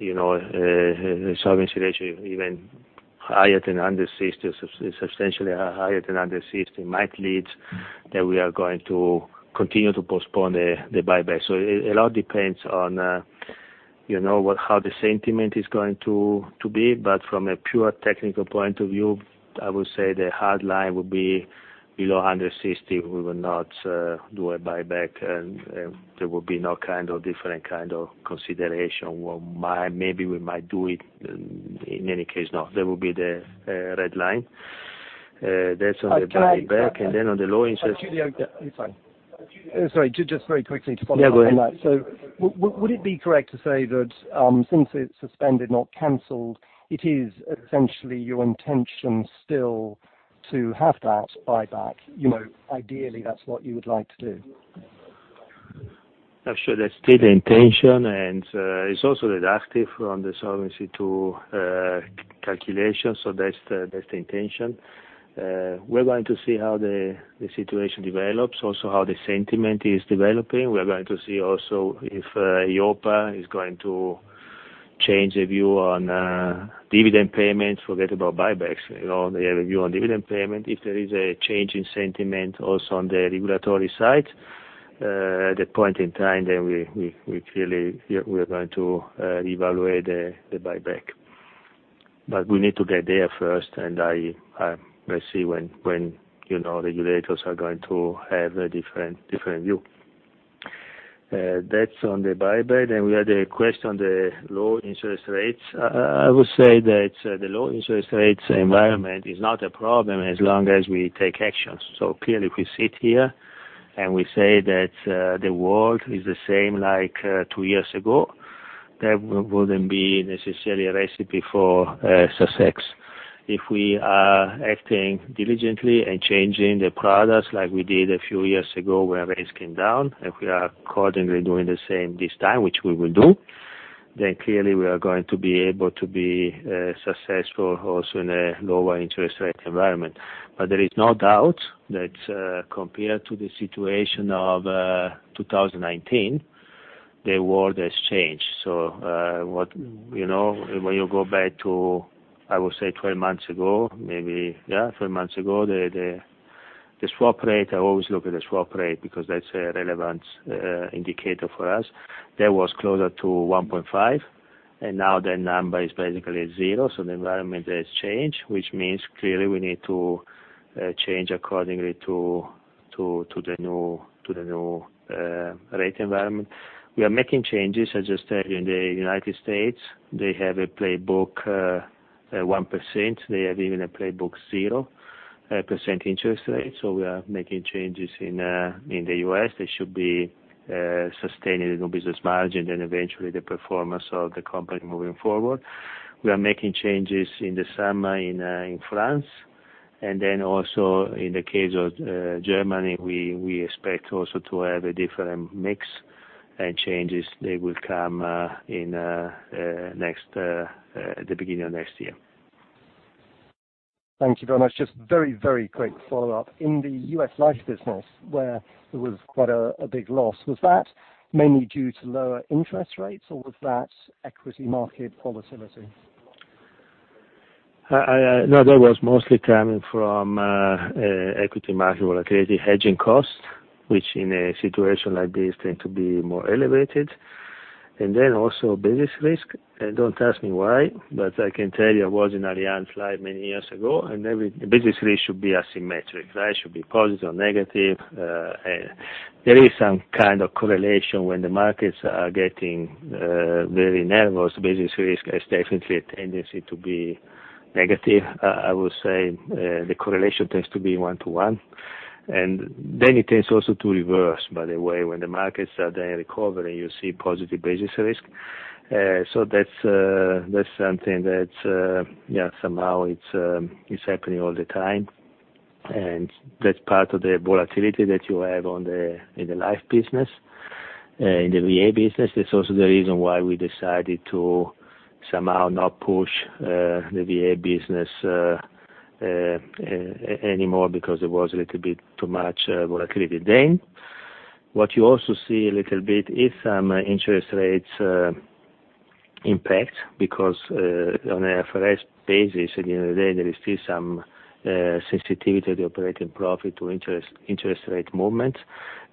maybe the solvency ratio even higher than 160, substantially higher than 160, might lead that we are going to continue to postpone the buyback. A lot depends on how the sentiment is going to be. From a pure technical point of view, I would say the hard line would be below 160. We will not do a buyback, there will be no different kind of consideration. Maybe we might do it, in any case, no. There will be the red line. That's on the buyback. Then on the low interest- Sorry, just very quickly to follow up on that. Yeah, go ahead. Would it be correct to say that since it's suspended, not canceled, it is essentially your intention still to have that buyback? Ideally, that's what you would like to do. Sure. That's still the intention, and it's also deductive from the Solvency II calculation. That's the intention. We're going to see how the situation develops, also how the sentiment is developing. We are going to see also if EIOPA is going to change the view on dividend payments, forget about buybacks. They have a view on dividend payment. If there is a change in sentiment also on the regulatory side, at that point in time, we clearly are going to evaluate the buyback. We need to get there first, and let's see when regulators are going to have a different view. That's on the buyback. We had a question on the low interest rates. I would say that the low interest rates environment is not a problem as long as we take action. Clearly, if we sit here and we say that the world is the same like two years ago, that wouldn't be necessarily a recipe for success. If we are acting diligently and changing the products like we did a few years ago when rates came down, if we are accordingly doing the same this time, which we will do, then clearly we are going to be able to be successful also in a lower interest rate environment. There is no doubt that compared to the situation of 2019, the world has changed. When you go back to, I would say 12 months ago, maybe, yeah, 12 months ago, the swap rate, I always look at the swap rate because that's a relevant indicator for us. That was closer to 1.5, and now the number is basically zero. The environment has changed, which means clearly we need to change accordingly to the new rate environment. We are making changes, as I said, in the U.S. They have a playbook, 1%. They have even a playbook, 0% interest rate. We are making changes in the U.S. They should be sustaining the new business margin, then eventually the performance of the company moving forward. We are making changes in the summer in France, and then also in the case of Germany, we expect also to have a different mix and changes. They will come at the beginning of next year. Thank you very much. Just very quick follow-up. In the U.S. Life business, where there was quite a big loss, was that mainly due to lower interest rates or was that equity market volatility? No, that was mostly coming from equity market volatility, hedging costs, which in a situation like this tend to be more elevated. Also business risk. Don't ask me why, but I can tell you, I was in Allianz Life many years ago, business risk should be asymmetric, right? Should be positive, negative. There is some kind of correlation when the markets are getting very nervous. Business risk has definitely a tendency to be negative. I would say the correlation tends to be one to one. It tends also to reverse, by the way. When the markets are then recovering, you see positive business risk. That's something that somehow it's happening all the time, and that's part of the volatility that you have in the Life business. In the VA business, that's also the reason why we decided to somehow not push the VA business anymore because it was a little bit too much volatility then. What you also see a little bit is some interest rates impact because on a first basis, at the end of the day, there is still some sensitivity to operating profit to interest rate movement.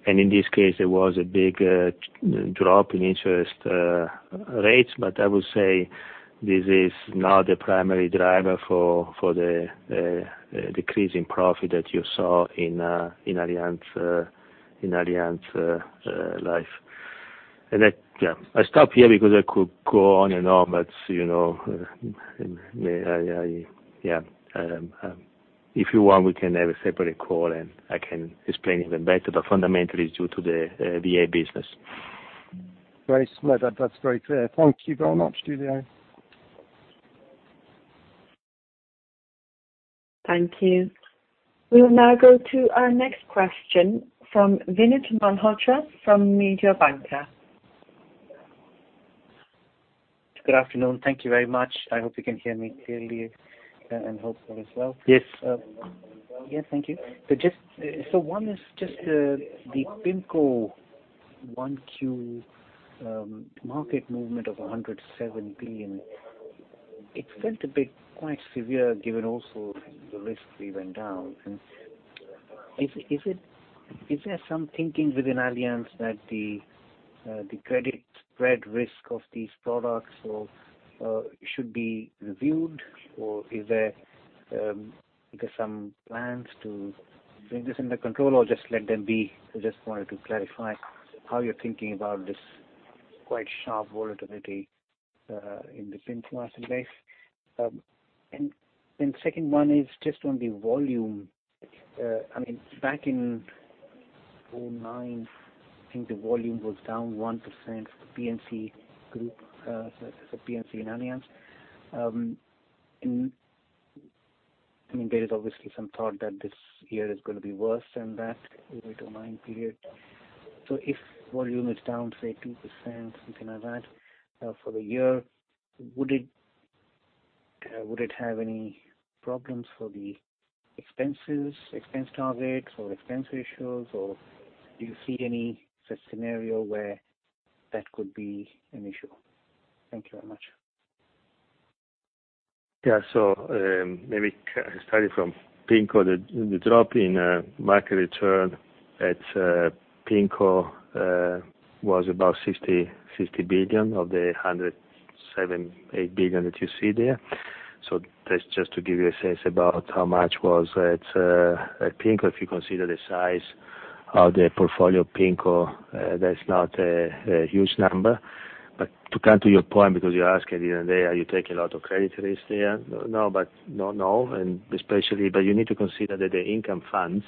In this case, there was a big drop in interest rates. I would say this is not the primary driver for the decrease in profit that you saw in Allianz Life. I stop here because I could go on and on, but if you want, we can have a separate call and I can explain even better. Fundamentally, it's due to the VA business. Very smart. That's very clear. Thank you very much, Giulio. Thank you. We will now go to our next question from Vinit Malhotra from Mediobanca. Good afternoon. Thank you very much. I hope you can hear me clearly and hopefully yourself. Yes. Yeah, thank you. One is just the PIMCO Q1 market movement of 107 billion. It felt a bit quite severe given also the risk premium went down. Is there some thinking within Allianz that the credit spread risk of these products should be reviewed? Is there some plans to bring this under control or just let them be? I just wanted to clarify how you're thinking about this quite sharp volatility in the PIMCO asset base. Second one is just on the volume. Back in 2009, I think the volume was down 1% for P&C group, so P&C and Allianz. There is obviously some thought that this year is going to be worse than that 2009 period. If volume is down, say, 2%, something like that, for the year, would it have any problems for the expenses, expense targets or expense ratios? Do you see any scenario where that could be an issue? Thank you very much. Maybe starting from PIMCO, the drop in market return at PIMCO was about 60 billion of the 107.8 billion that you see there. That's just to give you a sense about how much was at PIMCO. If you consider the size of the portfolio of PIMCO, that's not a huge number. To come to your point, because you're asking at the end of the day, are you taking a lot of credit risk there? No. You need to consider that the income funds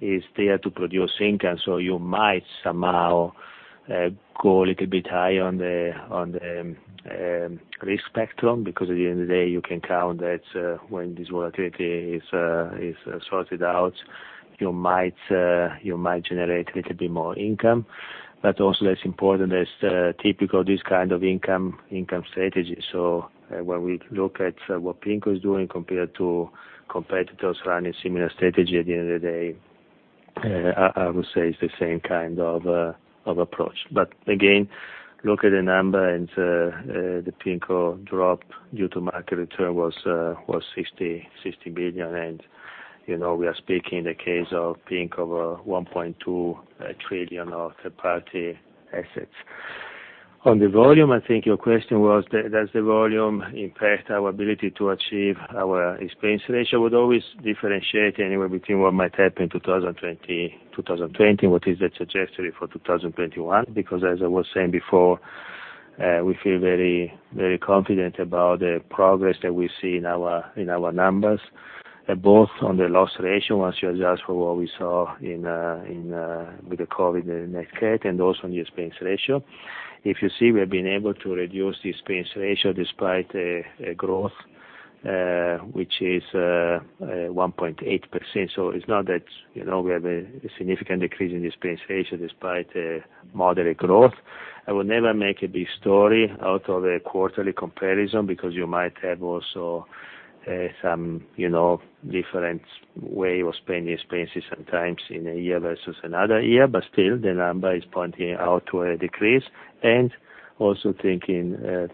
is there to produce income. You might somehow go a little bit high on the risk spectrum, because at the end of the day, you can count that when this volatility is sorted out, you might generate a little bit more income. Also as important as typical this kind of income strategy. When we look at what PIMCO is doing compared to competitors running similar strategy, at the end of the day, I would say it's the same kind of approach. Again, look at the number, and the PIMCO drop due to market return was 60 billion. We are speaking in the case of PIMCO of 1.2 trillion of third party assets. On the volume, I think your question was, does the volume impact our ability to achieve our expense ratio? I would always differentiate anyway between what might happen 2020, what is the trajectory for 2021. As I was saying before, we feel very confident about the progress that we see in our numbers, both on the loss ratio, once you adjust for what we saw with the COVID in H1, and also in the expense ratio. If you see, we have been able to reduce the expense ratio despite a growth, which is 1.8%. It's not that we have a significant decrease in the expense ratio despite a moderate growth. I would never make a big story out of a quarterly comparison because you might have also some different way of spending expenses sometimes in a year versus another year. Still, the number is pointing out to a decrease. Also thinking that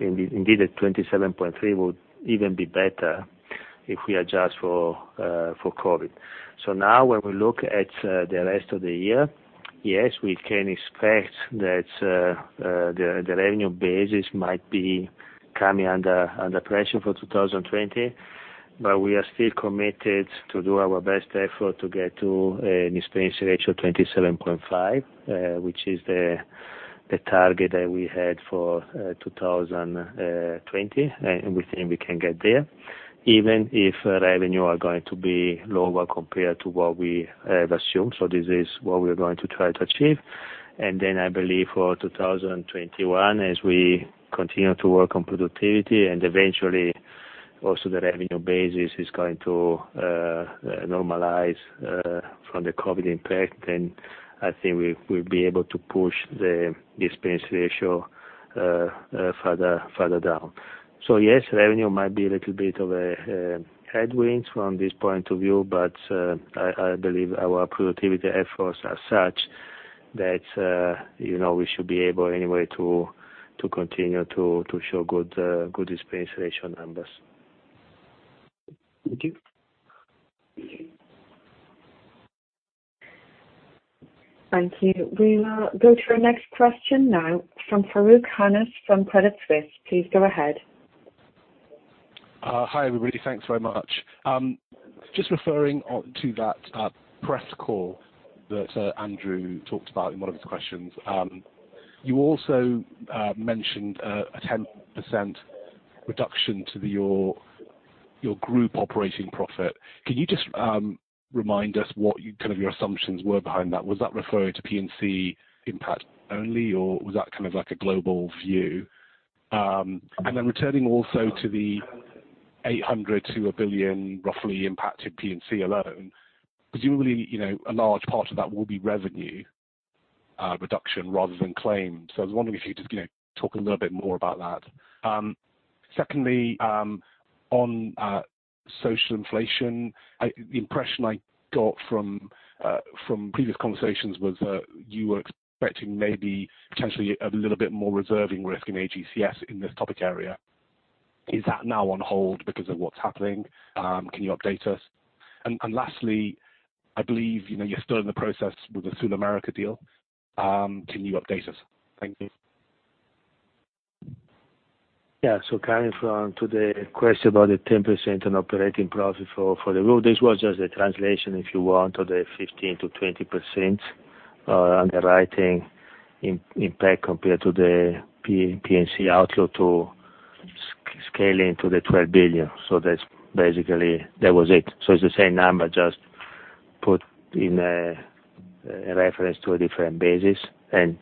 indeed a 27.3% would even be better if we adjust for COVID. Now when we look at the rest of the year, yes, we can expect that the revenue basis might be coming under pressure for 2020. We are still committed to do our best effort to get to an expense ratio of 27.5%, which is the target that we had for 2020. We think we can get there, even if revenue are going to be lower compared to what we have assumed. This is what we are going to try to achieve. I believe for 2021, as we continue to work on productivity and eventually also the revenue basis is going to normalize from the COVID impact, then I think we'll be able to push the expense ratio further down. Yes, revenue might be a little bit of a headwind from this point of view, but I believe our productivity efforts are such that we should be able anyway to continue to show good expense ratio numbers. Thank you. Thank you. We will go to our next question now from Farooq Hanif from Credit Suisse. Please go ahead. Hi, everybody. Thanks very much. Just referring to that press call that Andrew talked about in one of his questions. You also mentioned a 10% reduction to your group operating profit. Can you just remind us what your assumptions were behind that? Was that referring to P&C impact only, or was that a global view? Returning also to the 800 million to 1 billion roughly impacted P&C alone. Presumably, a large part of that will be revenue reduction rather than claim. I was wondering if you could just talk a little bit more about that. Secondly, on social inflation, the impression I got from previous conversations was that you were expecting maybe potentially a little bit more reserving risk in AGCS in this topic area. Is that now on hold because of what's happening? Can you update us? Lastly, I believe, you're still in the process with the SulAmérica deal. Can you update us? Thank you. Coming from today, a question about the 10% on operating profit for the group. This was just a translation, if you want, of the 15%-20% underwriting impact compared to the P&C outlook to scaling to the 12 billion. That basically was it. It's the same number, just put in a reference to a different basis. When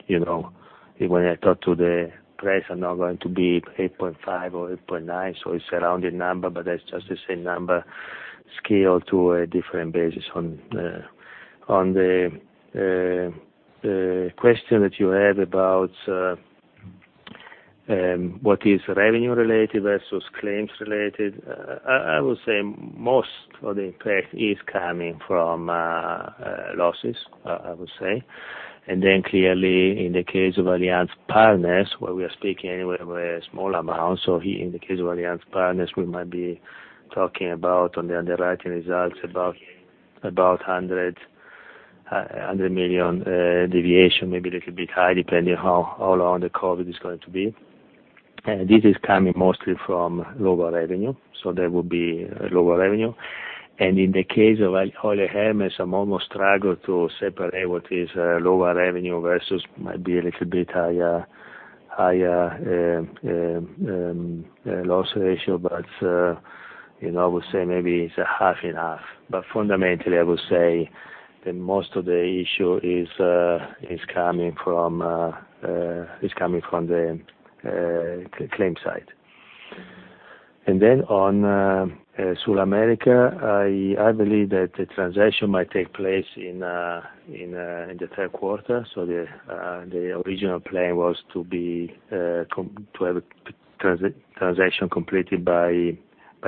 I talk to the price are now going to be 8.5 or 8.9, so it's a rounded number, but that's just the same number scaled to a different basis. On the question that you had about what is revenue related versus claims related, I would say most of the impact is coming from losses, I would say. Clearly in the case of Allianz Partners, where we are speaking anyway with small amounts. In the case of Allianz Partners, we might be talking about on the underwriting results about 100 million deviation, maybe a little bit high, depending how long the COVID is going to be. This is coming mostly from lower revenue. There will be a lower revenue. In the case of Euler Hermes, I almost struggle to separate what is lower revenue versus might be a little bit higher loss ratio. I would say maybe it's half and half. Fundamentally, I would say that most of the issue is coming from the claim side. On SulAmérica, I believe that the transaction might take place in the third quarter. The original plan was to have a transaction completed by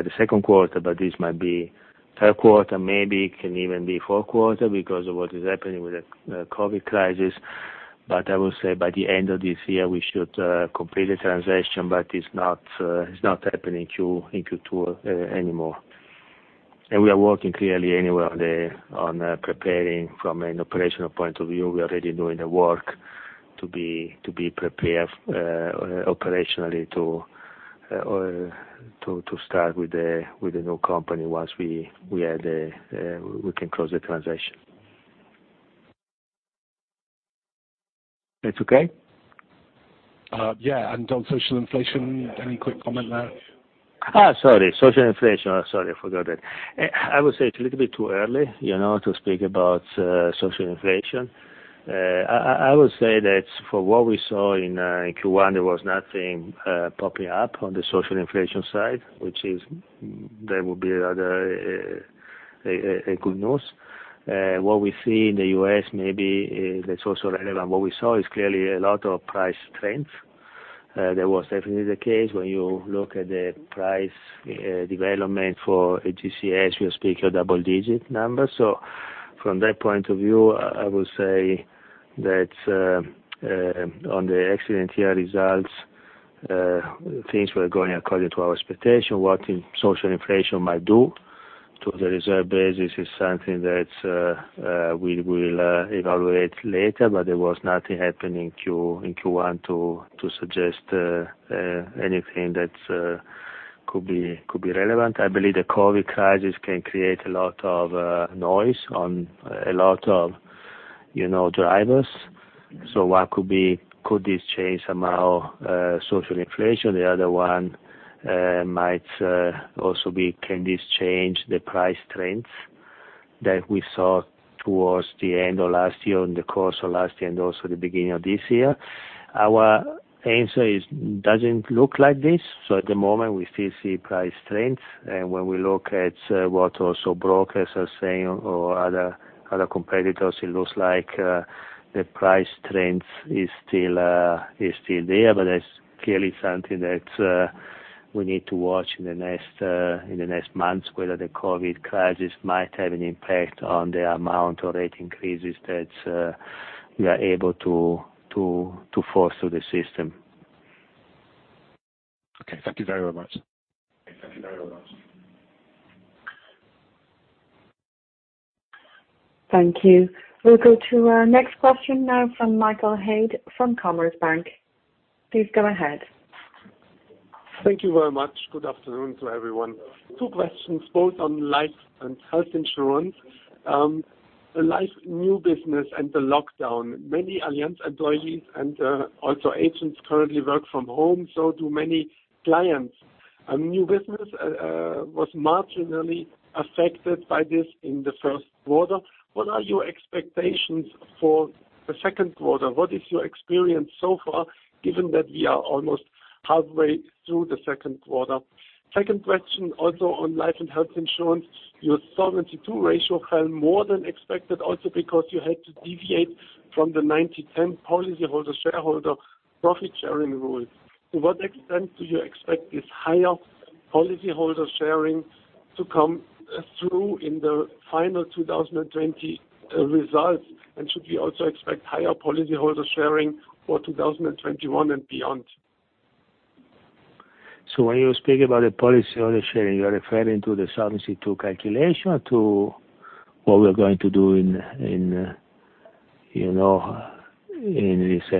the second quarter, but this might be third quarter, maybe it can even be fourth quarter because of what is happening with the COVID crisis. I would say by the end of this year, we should complete the transaction, but it's not happening in Q2 anymore. We are working clearly anyway on preparing from an operational point of view. We are already doing the work to be prepared operationally to start with the new company once we can close the transaction. That's okay? Yeah. On social inflation, any quick comment there? Social inflation. Sorry, I forgot that. I would say it's a little bit too early to speak about social inflation. I would say that for what we saw in Q1, there was nothing popping up on the social inflation side, which is, that would be rather a good news. What we see in the U.S. maybe that's also relevant. What we saw is clearly a lot of price trends. That was definitely the case when you look at the price development for AGCS, we are speaking of double digit numbers. From that point of view, I would say that on the accident year results, things were going according to our expectation. What social inflation might do to the reserve base, this is something that we will evaluate later, but there was nothing happening in Q1 to suggest anything that could be relevant. I believe the COVID crisis can create a lot of noise on a lot of drivers. One could be, could this change somehow social inflation? The other one might also be, can this change the price trends that we saw towards the end of last year, in the course of last year, and also the beginning of this year? Our answer is, doesn't look like this. At the moment, we still see price trends. When we look at what also brokers are saying or other competitors, it looks like the price trends is still there. That's clearly something that we need to watch in the next months, whether the COVID crisis might have an impact on the amount or rate increases that we are able to force through the system. Okay. Thank you very much. Thank you. We'll go to our next question now from Michael Haid from Commerzbank. Please go ahead. Thank you very much. Good afternoon to everyone. Two questions, both on life and health insurance. Life new business and the lockdown. Many Allianz employees and also agents currently work from home, so do many clients. New business was marginally affected by this in the first quarter. What are your expectations for the second quarter? What is your experience so far, given that we are almost halfway through the second quarter? Second question also on life and health insurance. Your Solvency II ratio fell more than expected also because you had to deviate from the 90/10 policyholder shareholder profit-sharing rule. To what extent do you expect this higher policyholder sharing to come through in the final 2020 results? Should we also expect higher policyholder sharing for 2021 and beyond? When you speak about the policyholder sharing, you are referring to the Solvency II calculation, to what we're going to do in this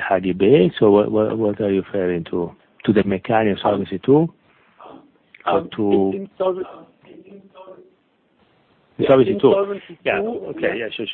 hard debate? What are you referring to? To the mechanic Solvency II? Solvency II. Solvency II. Yeah. Okay. Yeah. Sure.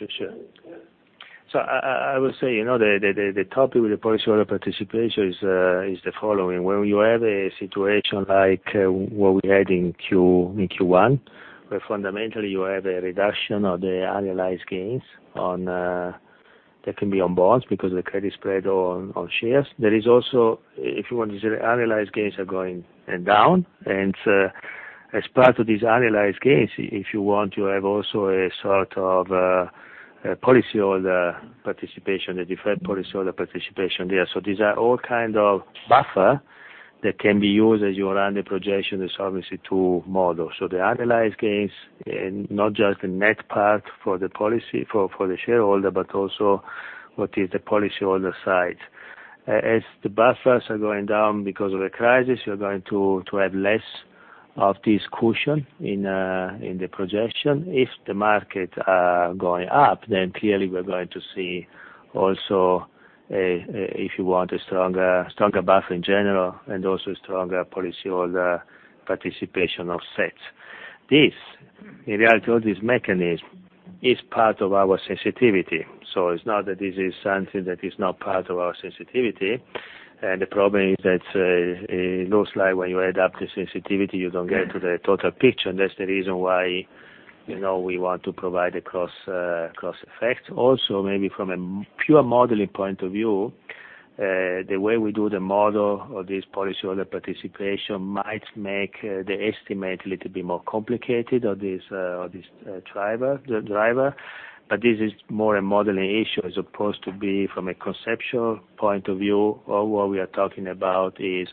I would say, the topic with the policyholder participation is the following. When you have a situation like what we had in Q1, where fundamentally you have a reduction of the unrealized gains that can be on bonds because of the credit spread on shares. There is also, if you want, these unrealized gains are going down. As part of these unrealized gains, if you want, you have also a sort of a policyholder participation, a different policyholder participation there. These are all kind of buffer that can be used as you run the projection, the Solvency II model. The unrealized gains, not just the net part for the shareholder, but also what is the policyholder side. As the buffers are going down because of the crisis, you're going to have less of this cushion in the projection. If the market are going up, clearly we're going to see also, if you want, a stronger buffer in general, and also a stronger policyholder participation offset. This, in reality, all this mechanism is part of our sensitivity. It's not that this is something that is not part of our sensitivity. The problem is that it looks like when you add up the sensitivity, you don't get to the total picture, and that's the reason why we want to provide a cross effect. Maybe from a pure modeling point of view, the way we do the model of this policyholder participation might make the estimate a little bit more complicated of this driver. This is more a modeling issue as opposed to be from a conceptual point of view. All what we are talking about is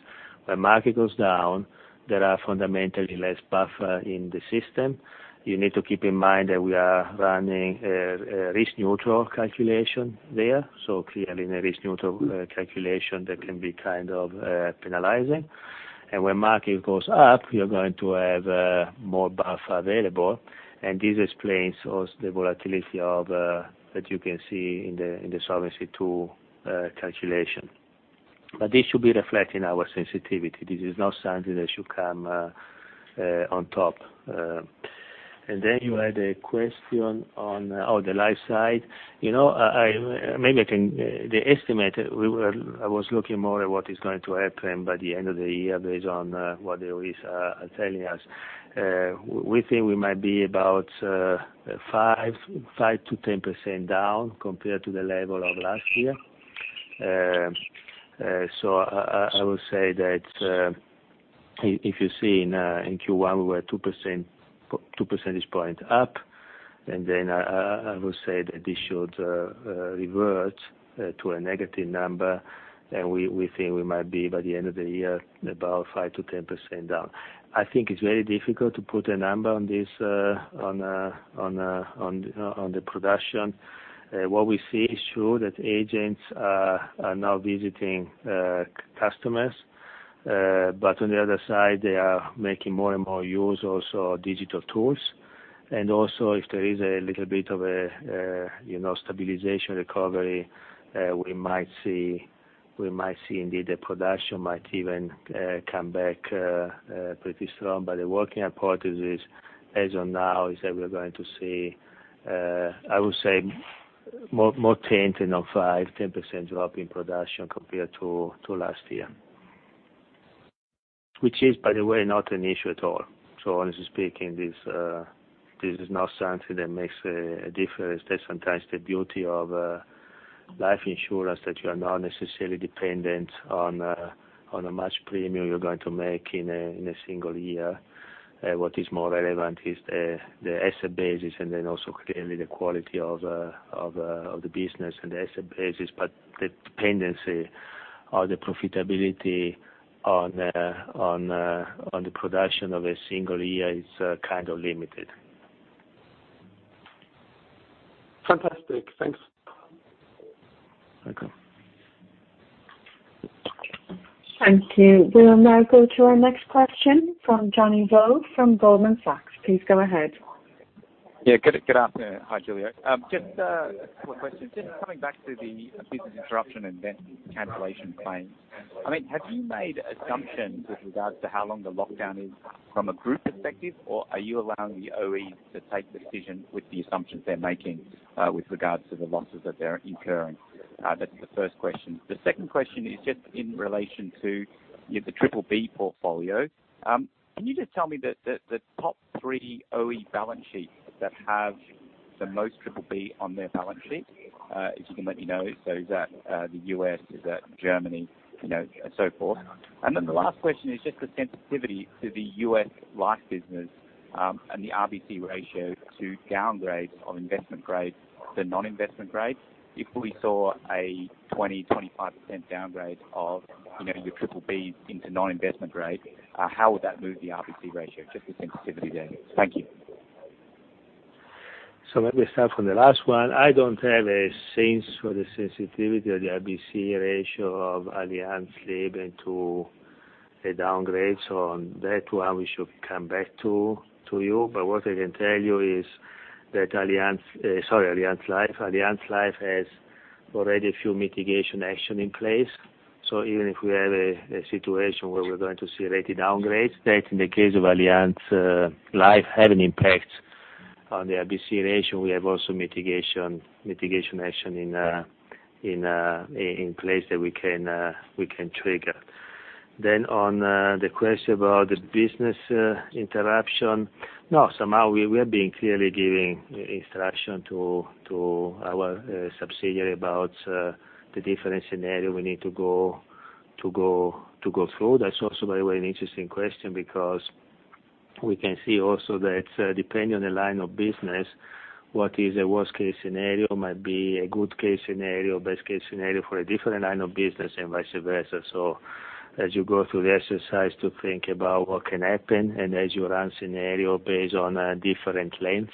when market goes down, there are fundamentally less buffer in the system. You need to keep in mind that we are running a risk neutral calculation there. Clearly in a risk neutral calculation, that can be kind of penalizing. When market goes up, you're going to have more buffer available, and this explains also the volatility that you can see in the Solvency II calculation. This should be reflecting our sensitivity. This is not something that should come on top. You had a question on the life side. Maybe I can, the estimate, I was looking more at what is going to happen by the end of the year based on what the risks are telling us. We think we might be about 5%-10% down compared to the level of last year. I would say that, if you see in Q1, we were 2 percentage point up, this should revert to a negative number, and we think we might be by the end of the year, about 5%-10% down. I think it's very difficult to put a number on the production. What we see is true that agents are now visiting customers. On the other side, they are making more and more use also of digital tools. If there is a little bit of stabilization recovery, we might see indeed the production might even come back pretty strong. The working hypothesis as of now is that we're going to see, I would say more 10 than of 5, 10% drop in production compared to last year. Which is, by the way, not an issue at all. Honestly speaking, this is not something that makes a difference. That's sometimes the beauty of life insurance, that you are not necessarily dependent on how much premium you're going to make in a single year. What is more relevant is the asset basis and then also clearly the quality of the business and the asset basis. The dependency or the profitability on the production of a single year is kind of limited. Fantastic. Thanks. Welcome. Thank you. We will now go to our next question from Jonny Vo from Goldman Sachs. Please go ahead. Yeah. Good afternoon. Hi, Giulio. Just a couple of questions. Just coming back to the business interruption and cancellation claims. Have you made assumptions with regards to how long the lockdown is from a group perspective, or are you allowing the OEs to take the decision with the assumptions they're making with regards to the losses that they're incurring? That's the first question. The second question is just in relation to the triple B portfolio. Can you just tell me the top three OE balance sheets that have the most triple B on their balance sheet? If you can let me know. Is that the U.S., is that Germany, and so forth. The last question is just the sensitivity to the U.S. life business, and the RBC ratio to downgrades of investment grade to non-investment grade. If we saw a 20, 25% downgrade of your triple Bs into non-investment grade, how would that move the RBC ratio? Just the sensitivity there. Thank you. Let me start from the last one. I don't have a sense for the sensitivity of the RBC ratio of Allianz Leben to a downgrade. On that one, we should come back to you. What I can tell you is that Allianz Life has already a few mitigation action in place. Even if we have a situation where we're going to see rated downgrades, that in the case of Allianz Life, have an impact on the RBC ratio. We have also mitigation action in place that we can trigger. On the question about the business interruption. Now, somehow we have been clearly giving instruction to our subsidiary about the different scenario we need to go through. That's also, by the way, an interesting question because we can see also that depending on the line of business, what is a worst case scenario might be a good case scenario, best case scenario for a different line of business and vice versa. As you go through the exercise to think about what can happen, and as you run scenario based on different lengths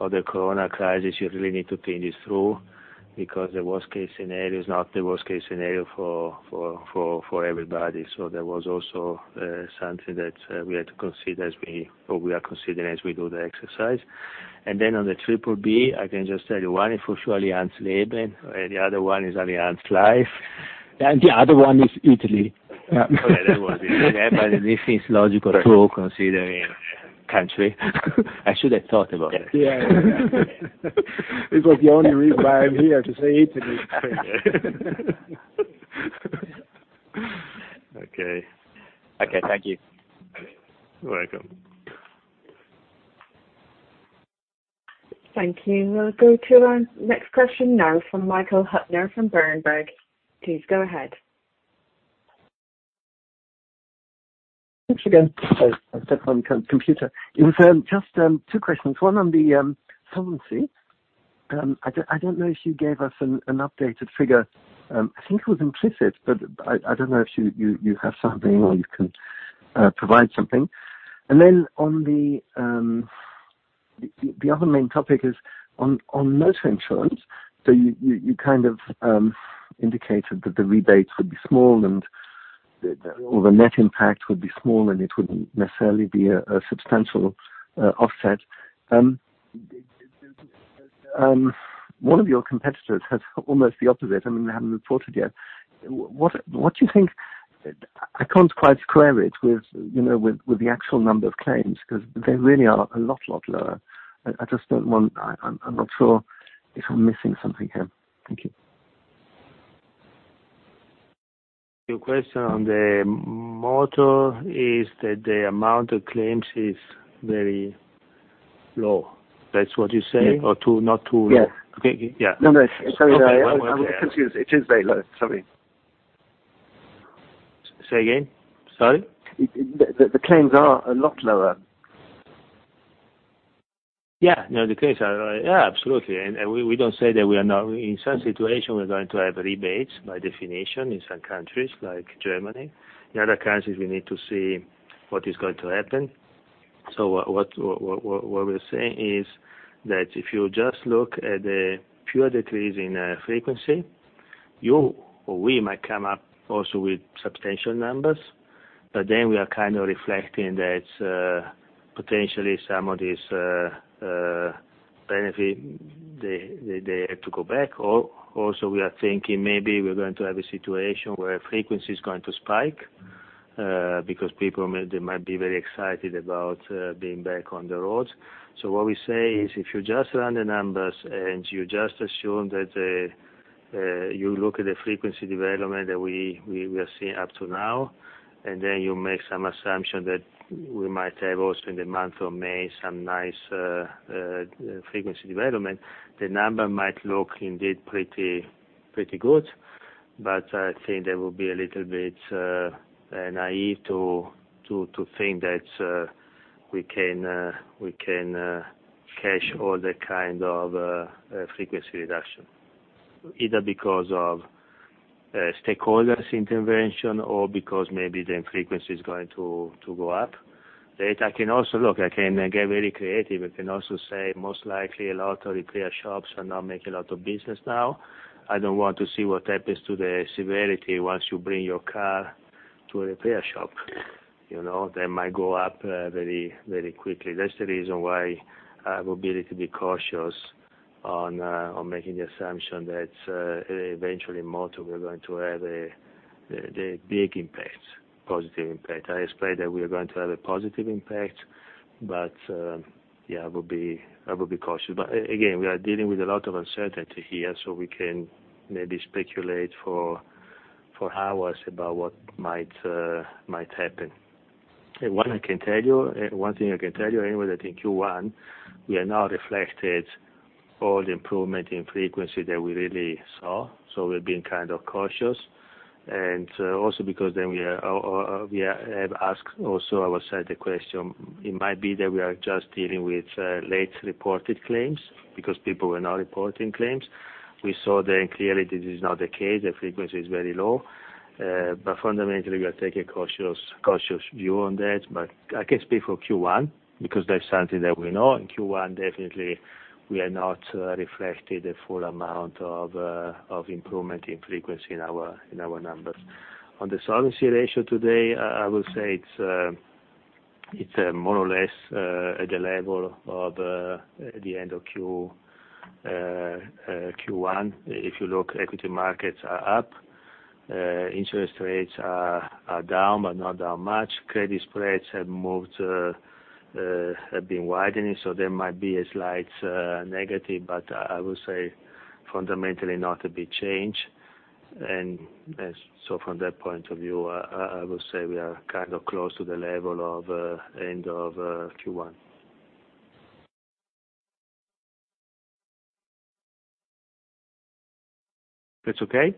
of the COVID crisis, you really need to think this through, because the worst case scenario is not the worst case scenario for everybody. That was also something that we had to consider as we, or we are considering as we do the exercise. On the triple B, I can just tell you one is for sure Allianz Leben, the other one is Allianz Life. The other one is Italy. Yeah, that was it. This is logical too, considering country. I should have thought about that. Yeah. This was the only reason why I'm here, to say Italy. Okay. Okay. Thank you. You're welcome. Thank you. We'll go to our next question now from Michael Huttner from Berenberg. Please go ahead. Thanks again. I stepped on the computer. It was just two questions, one on the solvency. I don't know if you gave us an updated figure. I think it was implicit, but I don't know if you have something or you can provide something. The other main topic is on motor insurance. You kind of indicated that the rebates would be small and, or the net impact would be small, and it wouldn't necessarily be a substantial offset. One of your competitors has almost the opposite. I mean, they haven't reported yet. I can't quite square it with the actual number of claims because they really are a lot lower. I'm not sure if I'm missing something here. Thank you. Your question on the motor is that the amount of claims is very low. That's what you're saying? Yeah. Not too low. Yeah. Okay. Yeah. No, no. Sorry about that. No, I'm with you. I'm confused. It is very low. Sorry. Say again. Sorry? The claims are a lot lower. Yeah. No, the claims are absolutely. We don't say that we are not. In some situation, we're going to have rebates by definition in some countries like Germany. In other countries, we need to see what is going to happen. What we're saying is that if you just look at the pure decrease in frequency, you or we might come up also with substantial numbers. We are kind of reflecting that potentially some of these benefit, they had to go back or also we are thinking maybe we're going to have a situation where frequency is going to spike, because people, they might be very excited about being back on the road. What we say is, if you just run the numbers and you just assume that you look at the frequency development that we are seeing up to now, and then you make some assumption that we might have also in the month of May, some nice frequency development, the number might look indeed pretty good. I think that would be a little bit naive to think that we can catch all the kind of frequency reduction. Either because of stakeholders intervention or because maybe the frequency is going to go up. Later I can also look, I can get very creative. I can also say most likely a lot of repair shops are now making a lot of business now. I don't want to see what happens to the severity once you bring your car to a repair shop. They might go up very, very quickly. That's the reason why I will be a little bit cautious on making the assumption that eventually more of, we're going to have the big impact, positive impact. I expect that we are going to have a positive impact, but, yeah, I would be cautious. Again, we are dealing with a lot of uncertainty here, so we can maybe speculate for hours about what might happen. One thing I can tell you anyway, that in Q1, we have now reflected all the improvement in frequency that we really saw. We've been kind of cautious, and also because then we have asked also ourselves the question. It might be that we are just dealing with late reported claims because people were not reporting claims. We saw then clearly this is not the case. The frequency is very low. Fundamentally we are taking cautious view on that, but I can speak for Q1 because that's something that we know. In Q1, definitely we are not reflected the full amount of improvement in frequency in our numbers. On the solvency ratio today, I would say it's more or less at the level of the end of Q1. If you look, equity markets are up, interest rates are down, but not down much. Credit spreads have been widening. There might be a slight negative, but I would say fundamentally not a big change. From that point of view, I would say we are kind of close to the level of end of Q1. That's okay?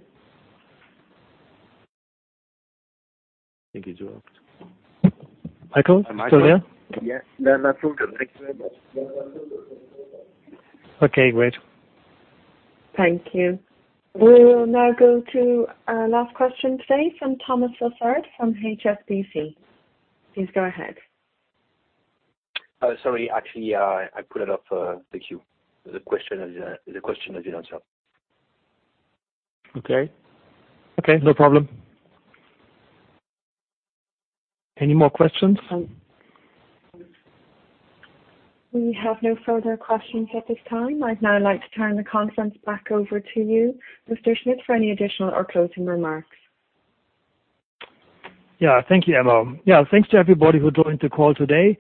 Thank you, Giulio. Michael, still there? Yes. No, no problem. Thank you very much. Okay, great. Thank you. We will now go to our last question today from Thomas Fossard from HSBC. Please go ahead. Sorry. Actually, I pulled it off the queue. The question has been answered. Okay. No problem. Any more questions? We have no further questions at this time. I'd now like to turn the conference back over to you, Mr. Schmidt, for any additional or closing remarks. Yeah. Thank you, Emma. Yeah, thanks to everybody who joined the call today.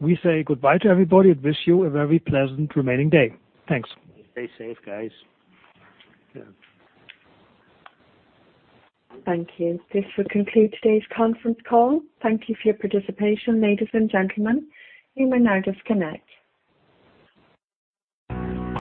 We say goodbye to everybody and wish you a very pleasant remaining day. Thanks. Stay safe, guys. Yeah. Thank you. This will conclude today's conference call. Thank you for your participation, ladies and gentlemen. You may now disconnect.